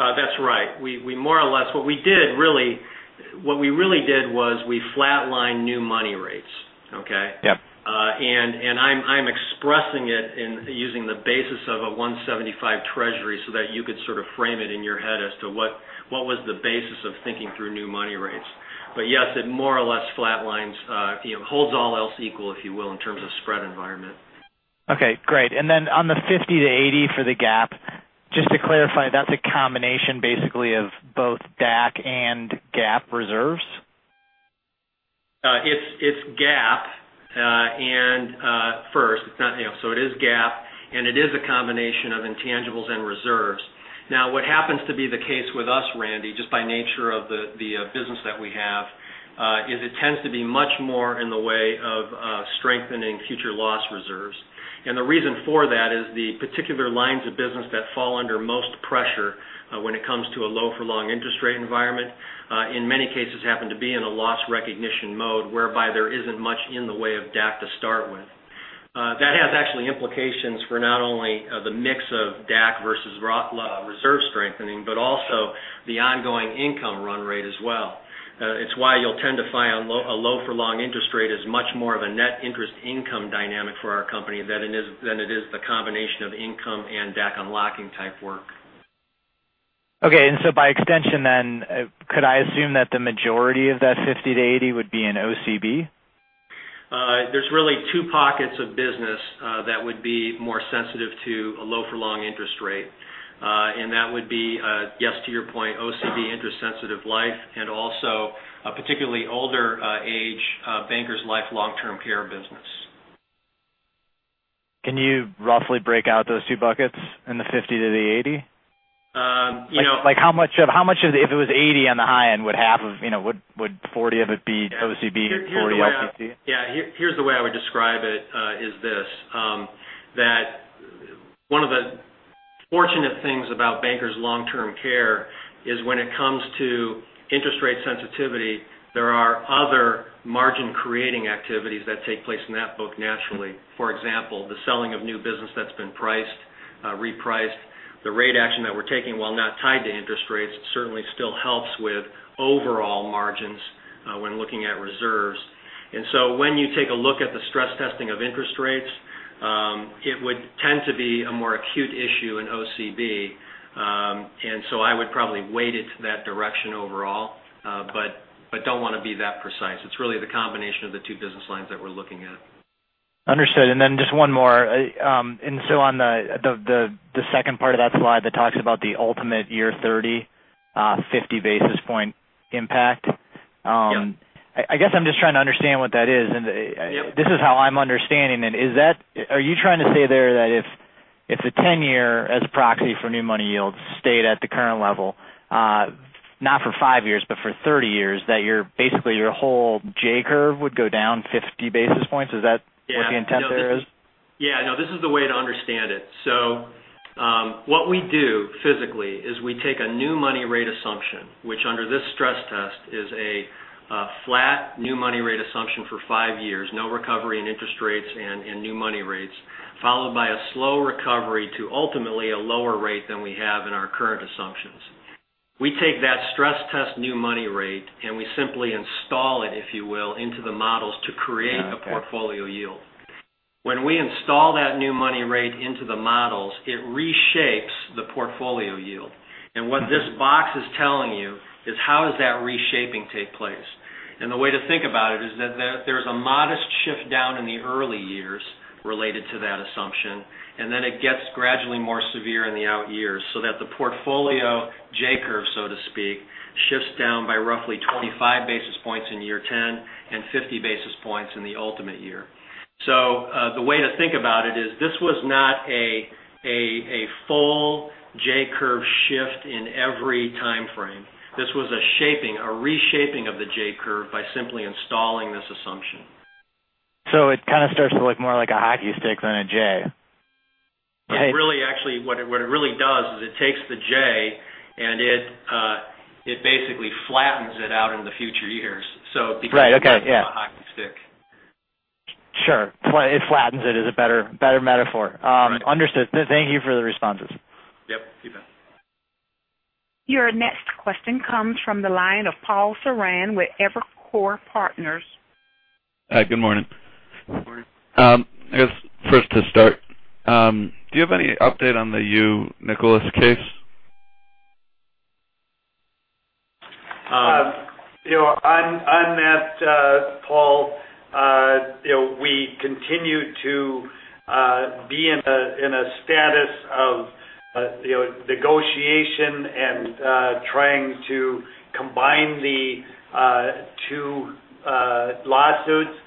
That's right. What we really did was we flat-lined new money rates. Okay? Yep. I'm expressing it using the basis of a 175 treasury so that you could sort of frame it in your head as to what was the basis of thinking through new money rates. Yes, it more or less flat lines, holds all else equal, if you will, in terms of spread environment. Okay, great. Then on the 50 to 80 for the GAAP, just to clarify, that's a combination basically of both DAC and GAAP reserves? It's GAAP first. It is GAAP, and it is a combination of intangibles and reserves. What happens to be the case with us, Randy, just by nature of the business that we have, is it tends to be much more in the way of strengthening future loss reserves. The reason for that is the particular lines of business that fall under most pressure when it comes to a low for long interest rate environment, in many cases happen to be in a loss recognition mode, whereby there isn't much in the way of DAC to start with. That has actually implications for not only the mix of DAC versus reserve strengthening, but also the ongoing income run rate as well. It's why you'll tend to find a low for long interest rate is much more of a net interest income dynamic for our company than it is the combination of income and DAC unlocking type work. Okay. By extension then, could I assume that the majority of that 50 to 80 would be in OCB? There's really two pockets of business that would be more sensitive to a low for long interest rate. That would be, yes to your point, OCB interest sensitive life, and also a particularly older age Bankers Life long-term care business. Can you roughly break out those two buckets in the 50 to the 80? You know. Like how much, if it was 80 on the high end, would 40 of it be OCB? Yeah. 40 LTC? Yeah. Here's the way I would describe it is this. That one of the fortunate things about Bankers Long-Term Care is when it comes to interest rate sensitivity, there are other margin-creating activities that take place in that book naturally. For example, the selling of new business that's been priced, repriced. The rate action that we're taking, while not tied to interest rates, certainly still helps with overall margins when looking at reserves. So when you take a look at the stress testing of interest rates, it would tend to be a more acute issue in OCB. So I would probably weight it to that direction overall. Don't want to be that precise. It's really the combination of the two business lines that we're looking at. Understood. Then just one more. So on the second part of that slide that talks about the ultimate year 30, 50 basis point impact. Yeah I guess I'm just trying to understand what that is. This is how I'm understanding it. Are you trying to say there that if the 10-year, as a proxy for new money yields, stayed at the current level, not for five years, but for 30 years, that basically your whole J curve would go down 50 basis points? Is that? Yeah. No. What the intent there is? Yeah, no, this is the way to understand it. What we do physically is we take a new money rate assumption, which under this stress test is a flat new money rate assumption for five years, no recovery in interest rates and in new money rates, followed by a slow recovery to ultimately a lower rate than we have in our current assumptions. We take that stress test new money rate, and we simply install it, if you will, into the models to create. Got it. Okay. a portfolio yield. When we install that new money rate into the models, it reshapes the portfolio yield. What this box is telling you is how does that reshaping take place? The way to think about it is that there's a modest shift down in the early years related to that assumption, and then it gets gradually more severe in the out years, so that the portfolio J curve, so to speak, shifts down by roughly 25 basis points in year 10 and 50 basis points in the ultimate year. The way to think about it is this was not a full J curve shift in every time frame. This was a reshaping of the J curve by simply installing this assumption. It kind of starts to look more like a hockey stick than a J. What it really does is it takes the J, and it basically flattens it out in the future years. It becomes Right. Okay. Yeah a hockey stick. Sure. It flattens it is a better metaphor. Right. Understood. Thank you for the responses. Yep. You bet. Your next question comes from the line of Paul Newsome with Evercore Partners. Hi. Good morning. Good morning. I guess first to start, do you have any update on the your Nicholas case? On that, Paul, we continue to be in a status negotiation and trying to combine the two lawsuits.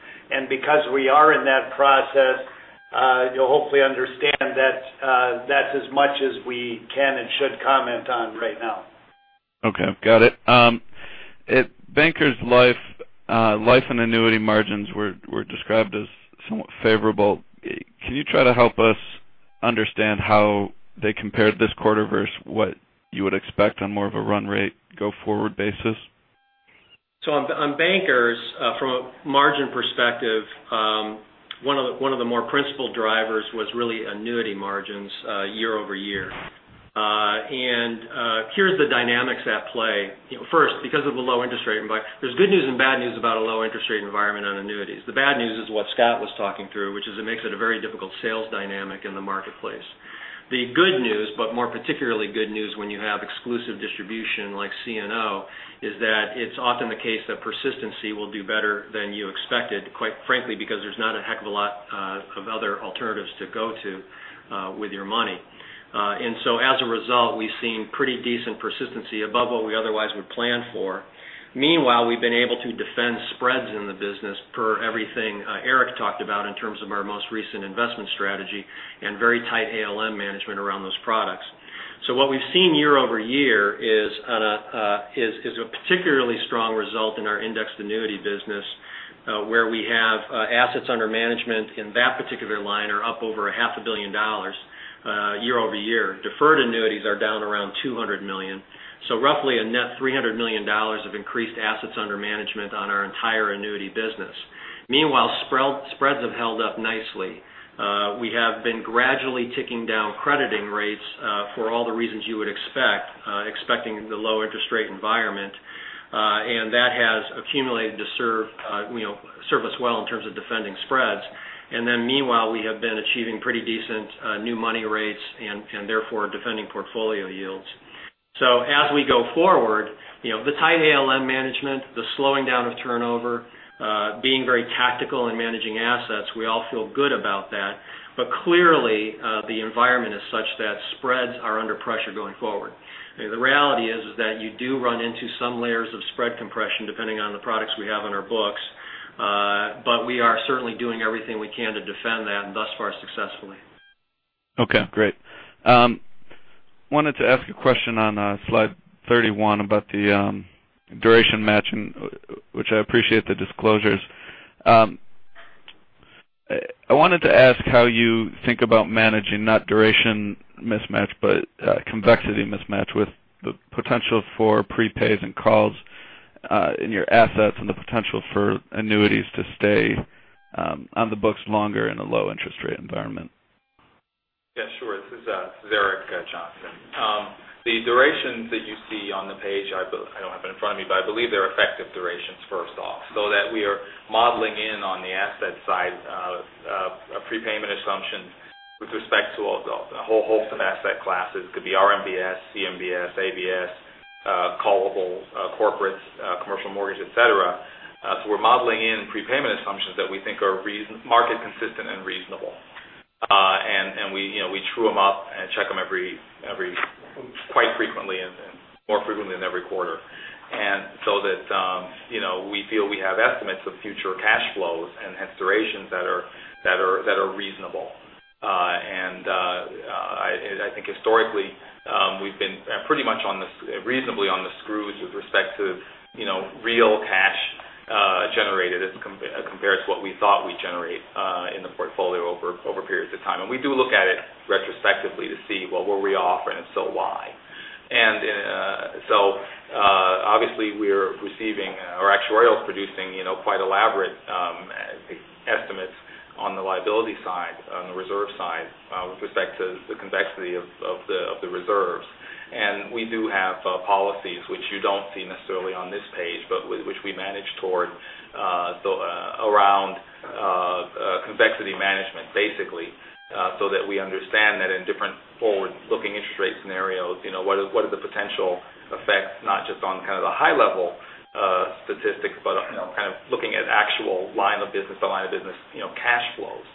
Because we are in that process, you'll hopefully understand that's as much as we can and should comment on right now. Okay. Got it. At Bankers Life, life and annuity margins were described as somewhat favorable. Can you try to help us understand how they compared this quarter versus what you would expect on more of a run rate go forward basis? On Bankers, from a margin perspective, one of the more principal drivers was really annuity margins year-over-year. Here's the dynamics at play. First, because of the low interest rate environment, there's good news and bad news about a low interest rate environment on annuities. The bad news is what Scott was talking through, which is it makes it a very difficult sales dynamic in the marketplace. The good news, but more particularly good news when you have exclusive distribution like CNO, is that it's often the case that persistency will do better than you expected, quite frankly, because there's not a heck of a lot of other alternatives to go to with your money. As a result, we've seen pretty decent persistency above what we otherwise would plan for. Meanwhile, we've been able to defend spreads in the business per everything Eric talked about in terms of our most recent investment strategy and very tight ALM management around those products. What we've seen year-over-year is a particularly strong result in our indexed annuity business, where we have assets under management in that particular line are up over a half a billion dollars year-over-year. Deferred annuities are down around $200 million. Roughly a net $300 million of increased assets under management on our entire annuity business. Meanwhile, spreads have held up nicely. We have been gradually ticking down crediting rates for all the reasons you would expect, expecting the low interest rate environment. That has accumulated to serve us well in terms of defending spreads. Meanwhile, we have been achieving pretty decent new money rates and therefore defending portfolio yields. As we go forward, the tight ALM management, the slowing down of turnover, being very tactical in managing assets, we all feel good about that. Clearly, the environment is such that spreads are under pressure going forward. The reality is that you do run into some layers of spread compression, depending on the products we have on our books. We are certainly doing everything we can to defend that, and thus far, successfully. Okay, great. Wanted to ask a question on slide 31 about the duration matching, which I appreciate the disclosures. I wanted to ask how you think about managing, not duration mismatch, but convexity mismatch with the potential for prepays and calls in your assets and the potential for annuities to stay on the books longer in a low interest rate environment. Yeah, sure. This is Eric Johnson. The durations that you see on the page, I don't have it in front of me, I believe they're effective durations, first off, that we are modeling in on the asset side a prepayment assumption with respect to a whole host of asset classes. Could be RMBS, CMBS, ABS, callables, corporates, commercial mortgage, et cetera. We're modeling in prepayment assumptions that we think are market consistent and reasonable. We true them up and check them quite frequently and more frequently than every quarter. That we feel we have estimates of future cash flows and hence durations that are reasonable. I think historically, we've been pretty much reasonably on the screws with respect to real cash generated compared to what we thought we'd generate in the portfolio over periods of time. We do look at it retrospectively to see, well, were we off, and if so, why? Obviously our actuarial is producing quite elaborate estimates on the liability side, on the reserve side with respect to the convexity of the reserves. We do have policies which you don't see necessarily on this page, which we manage toward around convexity management, basically, that we understand that in different forward-looking interest rate scenarios, what are the potential effects, not just on kind of the high level statistics, but kind of looking at actual line of business cash flows.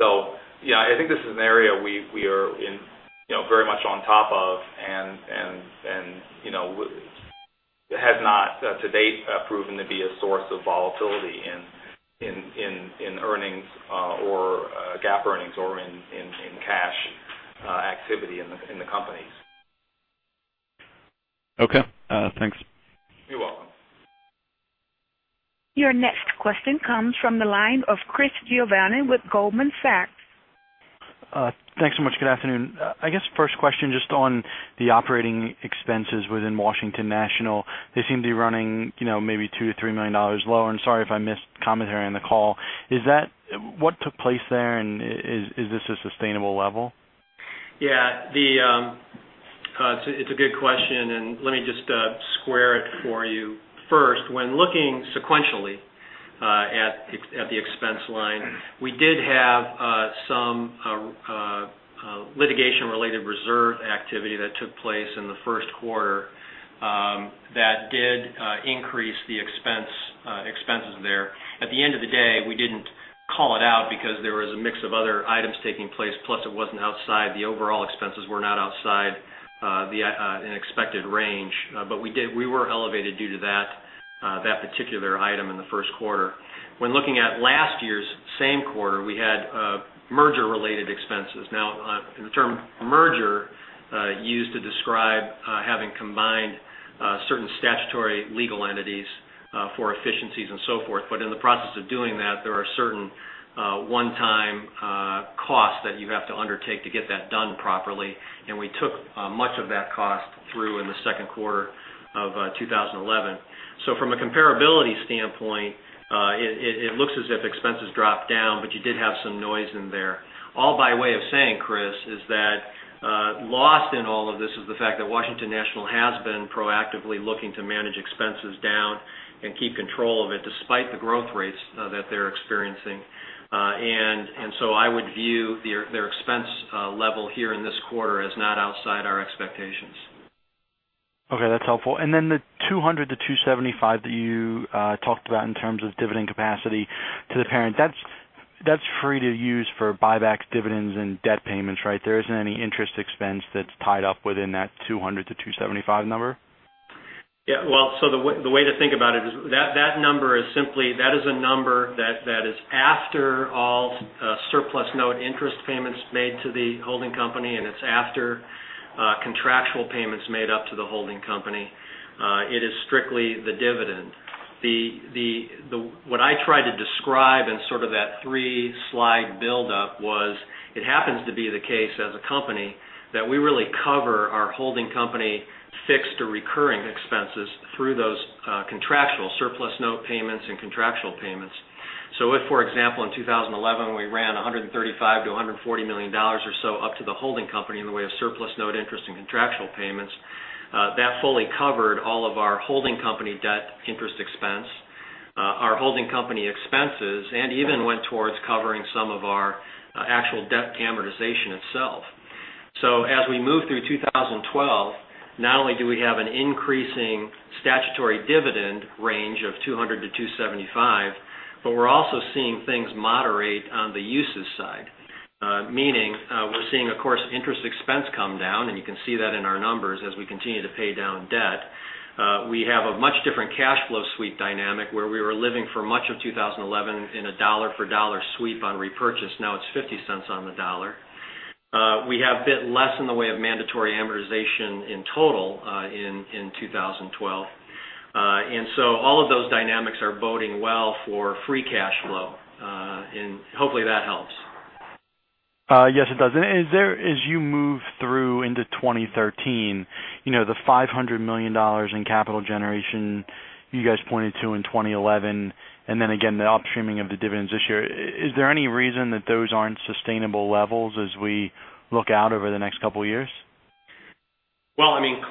I think this is an area we are very much on top of and has not to date proven to be a source of volatility in earnings or GAAP earnings or in cash activity in the companies. Okay. Thanks. You're welcome. Your next question comes from the line of Chris Giovanni with Goldman Sachs. Thanks so much. Good afternoon. I guess first question, just on the operating expenses within Washington National. They seem to be running maybe $2 million-$3 million lower, and sorry if I missed commentary on the call. What took place there, and is this a sustainable level? Yeah. It's a good question. Let me just square it for you. First, when looking sequentially at the expense line, we did have some litigation-related reserve activity that took place in the first quarter that did increase the expenses there. At the end of the day, we didn't call it out because there was a mix of other items taking place, plus it wasn't outside the overall expenses were not outside the unexpected range. We were elevated due to that particular item in the first quarter. When looking at last year's same quarter, we had merger-related expenses. The term merger used to describe having combined certain statutory legal entities for efficiencies and so forth. In the process of doing that, there are certain one-time costs that you have to undertake to get that done properly. We took much of that cost through in the second quarter of 2011. From a comparability standpoint, it looks as if expenses dropped down, but you did have some noise in there. All by way of saying, Chris, is that lost in all of this is the fact that Washington National has been proactively looking to manage expenses down and keep control of it, despite the growth rates that they're experiencing. I would view their expense level here in this quarter as not outside our expectations. Okay. That's helpful. The $200-$275 that you talked about in terms of dividend capacity to the parent, that's free to use for buybacks, dividends, and debt payments, right? There isn't any interest expense that's tied up within that $200-$275 number? Yeah. Well, the way to think about it is that number is simply a number that is after all surplus note interest payments made to the holding company, and it's after contractual payments made up to the holding company. It is strictly the dividend. What I try to describe in sort of that three-slide buildup was, it happens to be the case as a company that we really cover our holding company fixed or recurring expenses through those contractual surplus note payments and contractual payments. If, for example, in 2011, we ran $135 million-$140 million or so up to the holding company in the way of surplus note interest and contractual payments, that fully covered all of our holding company debt interest expense, our holding company expenses, and even went towards covering some of our actual debt amortization itself. As we move through 2012, not only do we have an increasing statutory dividend range of $200-$275, we're also seeing things moderate on the uses side. Meaning, we're seeing, of course, interest expense come down, you can see that in our numbers as we continue to pay down debt. We have a much different cash flow sweep dynamic, where we were living for much of 2011 in a dollar-for-dollar sweep on repurchase. Now it's $0.50 on the dollar. We have a bit less in the way of mandatory amortization in total in 2012. All of those dynamics are boding well for free cash flow. Hopefully that helps. Yes, it does. As you move through into 2013, the $500 million in capital generation you guys pointed to in 2011, again, the upstreaming of the dividends this year. Is there any reason that those aren't sustainable levels as we look out over the next couple of years?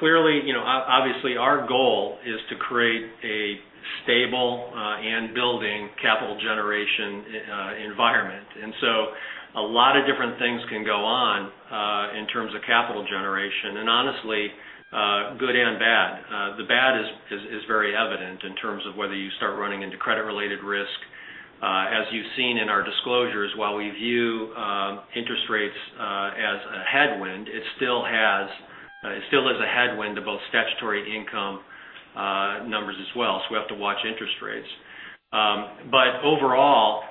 Clearly, obviously our goal is to create a stable and building capital generation environment. A lot of different things can go on in terms of capital generation, honestly, good and bad. The bad is very evident in terms of whether you start running into credit-related risk. As you've seen in our disclosures, while we view interest rates as a headwind, it still is a headwind to both statutory income numbers as well. We have to watch interest rates. Overall,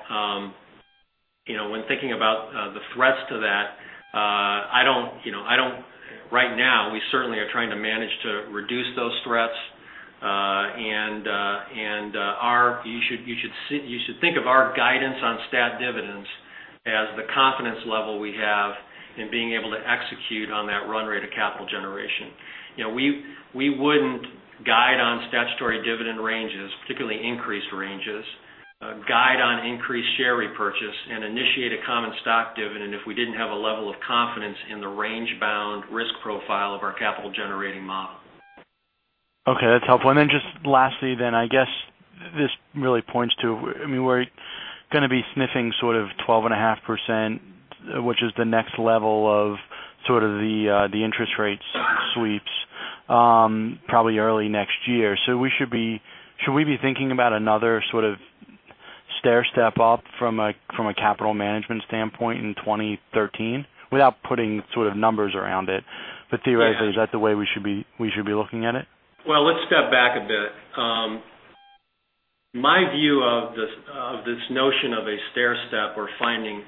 when thinking about the threats to that, right now we certainly are trying to manage to reduce those threats. You should think of our guidance on stat dividends as the confidence level we have in being able to execute on that run rate of capital generation. We wouldn't guide on statutory dividend ranges, particularly increased ranges, guide on increased share repurchase, and initiate a common stock dividend if we didn't have a level of confidence in the range-bound risk profile of our capital-generating model. Okay. That's helpful. Just lastly, I guess this really points to we're going to be sniffing sort of 12.5%, which is the next level of the interest rates sweeps probably early next year. Should we be thinking about another sort of stairstep up from a capital management standpoint in 2013? Without putting sort of numbers around it, theoretically, is that the way we should be looking at it? Well, let's step back a bit. My view of this notion of a stairstep or finding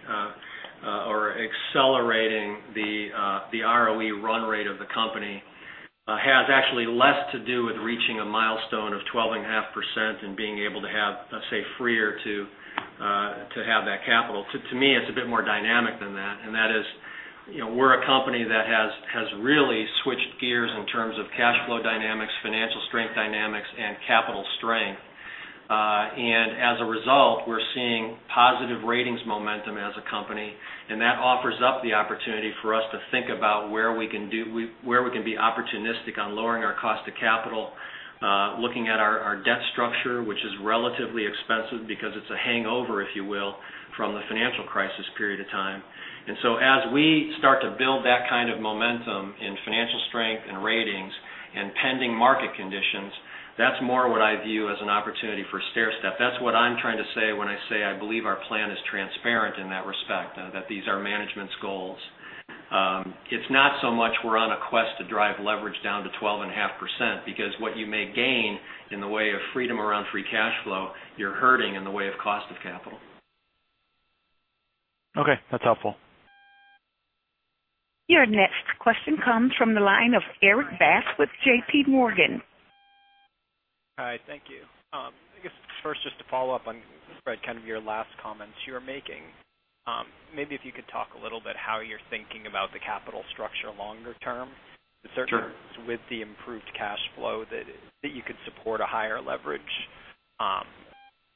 or accelerating the ROE run rate of the company has actually less to do with reaching a milestone of 12.5% and being able to have, say, freer to have that capital. To me, it's a bit more dynamic than that. That is we're a company that has really switched gears in terms of cash flow dynamics, financial strength dynamics, and capital strength. As a result, we're seeing positive ratings momentum as a company, and that offers up the opportunity for us to think about where we can be opportunistic on lowering our cost of capital, looking at our debt structure, which is relatively expensive because it's a hangover, if you will, from the financial crisis period of time. As we start to build that kind of momentum in financial strength and ratings pending market conditions, that's more what I view as an opportunity for stairstep. That's what I'm trying to say when I say I believe our plan is transparent in that respect, that these are management's goals. It's not so much we're on a quest to drive leverage down to 12.5%, because what you may gain in the way of freedom around free cash flow, you're hurting in the way of cost of capital. Okay, that's helpful. Your next question comes from the line of Erik Bass with JPMorgan. Hi, thank you. I guess first, just to follow up on, Fred, kind of your last comments you were making. Maybe if you could talk a little bit how you're thinking about the capital structure longer term. Sure. Certainly with the improved cash flow that you could support a higher leverage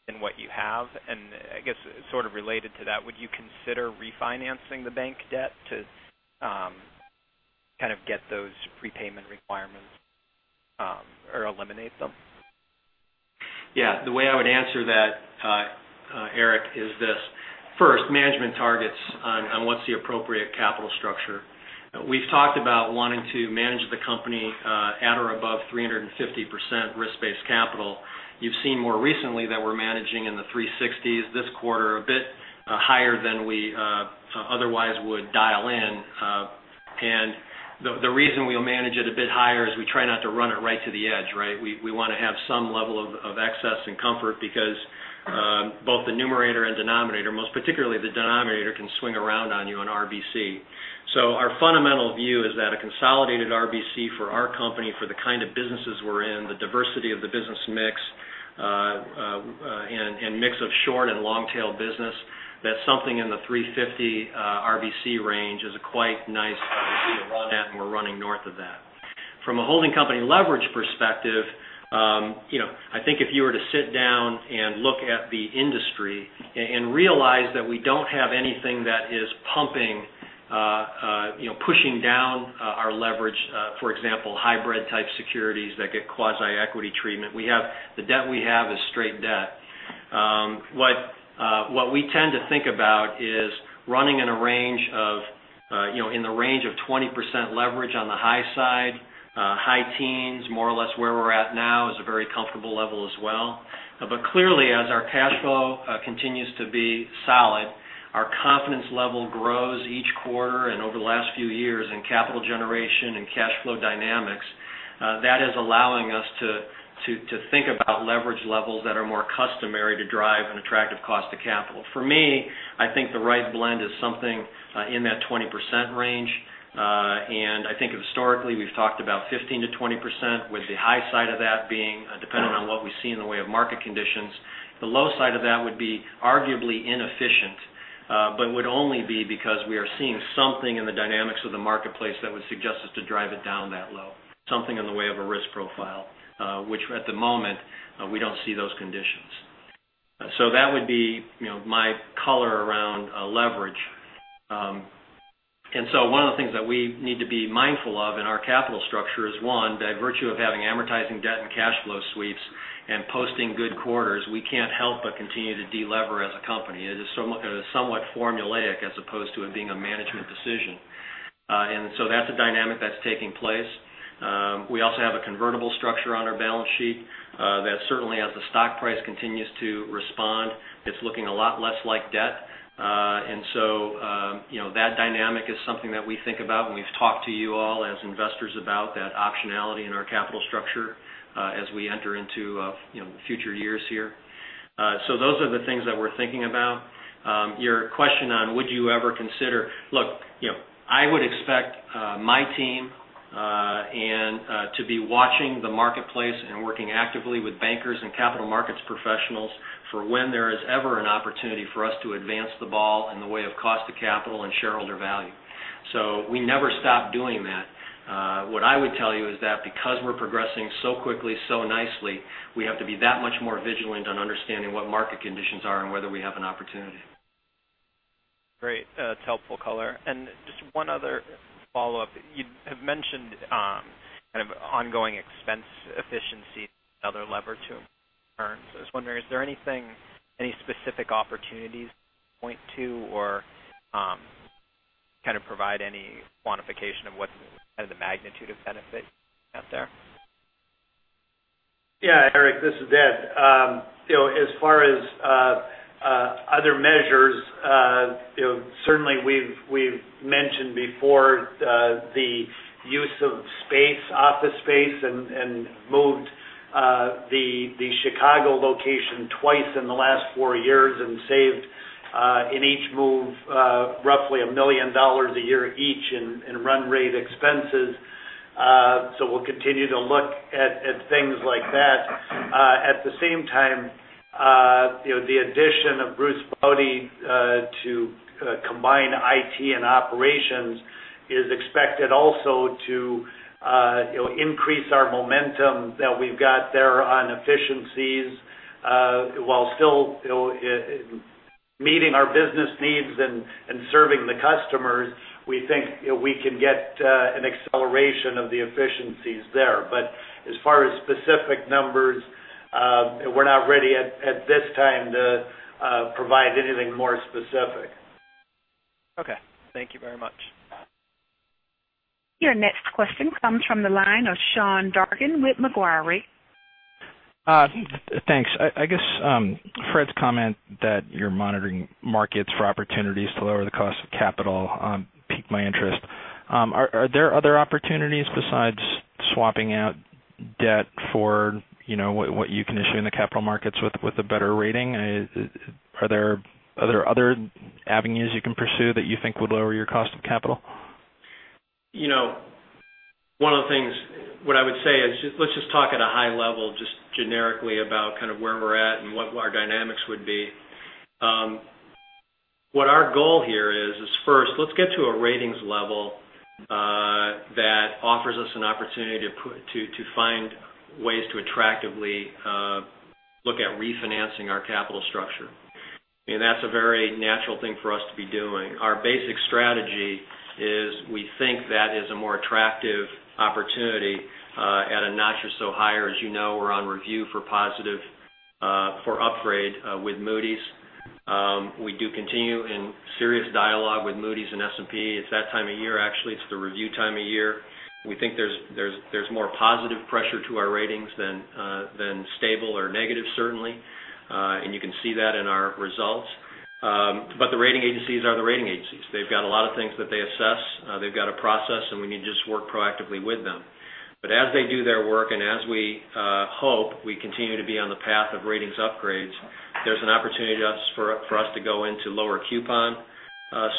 than what you have. I guess sort of related to that, would you consider refinancing the bank debt to kind of get those prepayment requirements or eliminate them? Yeah. The way I would answer that, Erik, is this. First, management targets on what's the appropriate capital structure. We've talked about wanting to manage the company at or above 350% risk-based capital. You've seen more recently that we're managing in the 360s this quarter, a bit higher than we otherwise would dial in. The reason we'll manage it a bit higher is we try not to run it right to the edge, right? We want to have some level of excess and comfort because both the numerator and denominator, most particularly the denominator, can swing around on you in RBC. Our fundamental view is that a consolidated RBC for our company, for the kind of businesses we're in, the diversity of the business mix, and mix of short and long-tail business, that something in the 350 RBC range is a quite nice way to run at, and we're running north of that. From a holding company leverage perspective, I think if you were to sit down and look at the industry and realize that we don't have anything that is pumping, pushing down our leverage, for example, hybrid-type securities that get quasi-equity treatment. The debt we have is straight debt. What we tend to think about is running in the range of 20% leverage on the high side. High teens, more or less where we're at now, is a very comfortable level as well. Clearly, as our cash flow continues to be solid, our confidence level grows each quarter and over the last few years in capital generation and cash flow dynamics. That is allowing us to think about leverage levels that are more customary to drive an attractive cost of capital. For me, I think the right blend is something in that 20% range. I think historically, we've talked about 15%-20%, with the high side of that being dependent on what we see in the way of market conditions. The low side of that would be arguably inefficient, but would only be because we are seeing something in the dynamics of the marketplace that would suggest us to drive it down that low, something in the way of a risk profile, which at the moment, we don't see those conditions. That would be my color around leverage. One of the things that we need to be mindful of in our capital structure is, one, by virtue of having amortizing debt and cash flow sweeps and posting good quarters, we can't help but continue to de-lever as a company. It is somewhat formulaic as opposed to it being a management decision. That's a dynamic that's taking place. We also have a convertible structure on our balance sheet that certainly as the stock price continues to respond, it's looking a lot less like debt. That dynamic is something that we think about, and we've talked to you all as investors about that optionality in our capital structure as we enter into future years here. Those are the things that we're thinking about. Your question on look, I would expect my team to be watching the marketplace and working actively with bankers and capital markets professionals for when there is ever an opportunity for us to advance the ball in the way of cost of capital and shareholder value. We never stop doing that. What I would tell you is that because we're progressing so quickly, so nicely, we have to be that much more vigilant on understanding what market conditions are and whether we have an opportunity. Great. That's helpful color. Just one other follow-up. You have mentioned ongoing expense efficiency as another lever to earn. I was wondering, is there any specific opportunities to point to or provide any quantification of what the magnitude of benefit out there? Erik, this is Ed. As far as other measures, certainly we've mentioned before the use of office space and moved the Chicago location twice in the last four years and saved, in each move, roughly $1 million a year each in run rate expenses. We'll continue to look at things like that. At the same time, the addition of Bruce Baude to combine IT and operations is expected also to increase our momentum that we've got there on efficiencies. While still meeting our business needs and serving the customers, we think we can get an acceleration of the efficiencies there. As far as specific numbers, we're not ready at this time to provide anything more specific. Okay. Thank you very much. Your next question comes from the line of Sean Dargan with Macquarie. Thanks. I guess Fred's comment that you're monitoring markets for opportunities to lower the cost of capital piqued my interest. Are there other opportunities besides swapping out debt for what you can issue in the capital markets with a better rating? Are there other avenues you can pursue that you think would lower your cost of capital? One of the things, what I would say is, let's just talk at a high level, just generically about where we're at and what our dynamics would be. What our goal here is first, let's get to a ratings level that offers us an opportunity to find ways to attractively look at refinancing our capital structure. That's a very natural thing for us to be doing. Our basic strategy is we think that is a more attractive opportunity at a notch or so higher. As you know, we're on review for positive for upgrade with Moody's. We do continue in serious dialogue with Moody's and S&P. It's that time of year, actually. It's the review time of year. We think there's more positive pressure to our ratings than stable or negative, certainly. You can see that in our results. The rating agencies are the rating agencies. They've got a lot of things that they assess. They've got a process, and we need to just work proactively with them. As they do their work and as we hope we continue to be on the path of ratings upgrades, there's an opportunity for us to go into lower coupon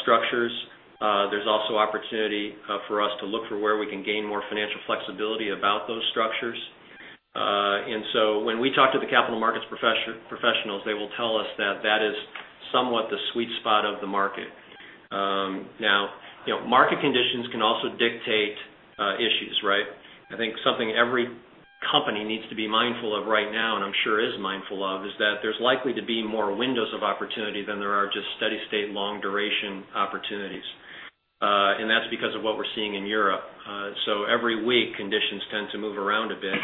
structures. There's also opportunity for us to look for where we can gain more financial flexibility about those structures. When we talk to the capital markets professionals, they will tell us that that is somewhat the sweet spot of the market. Market conditions can also dictate issues, right? I think something every company needs to be mindful of right now, and I'm sure is mindful of, is that there's likely to be more windows of opportunity than there are just steady state, long duration opportunities. That's because of what we're seeing in Europe. Every week, conditions tend to move around a bit.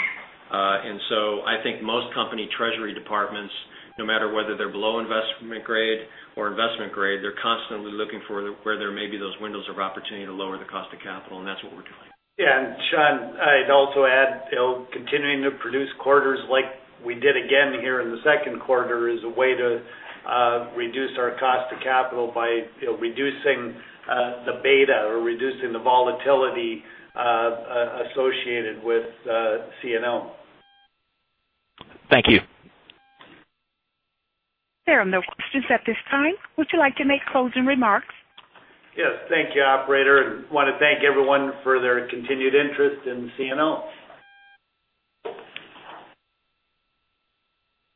I think most company treasury departments, no matter whether they're below investment grade or investment grade, they're constantly looking for where there may be those windows of opportunity to lower the cost of capital, and that's what we're doing. Yeah. Sean, I'd also add, continuing to produce quarters like we did again here in the second quarter is a way to reduce our cost of capital by reducing the beta or reducing the volatility associated with CNO. Thank you. There are no questions at this time. Would you like to make closing remarks? Yes. Thank you, operator. I want to thank everyone for their continued interest in CNO.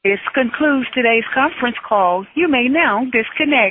This concludes today's conference call. You may now disconnect.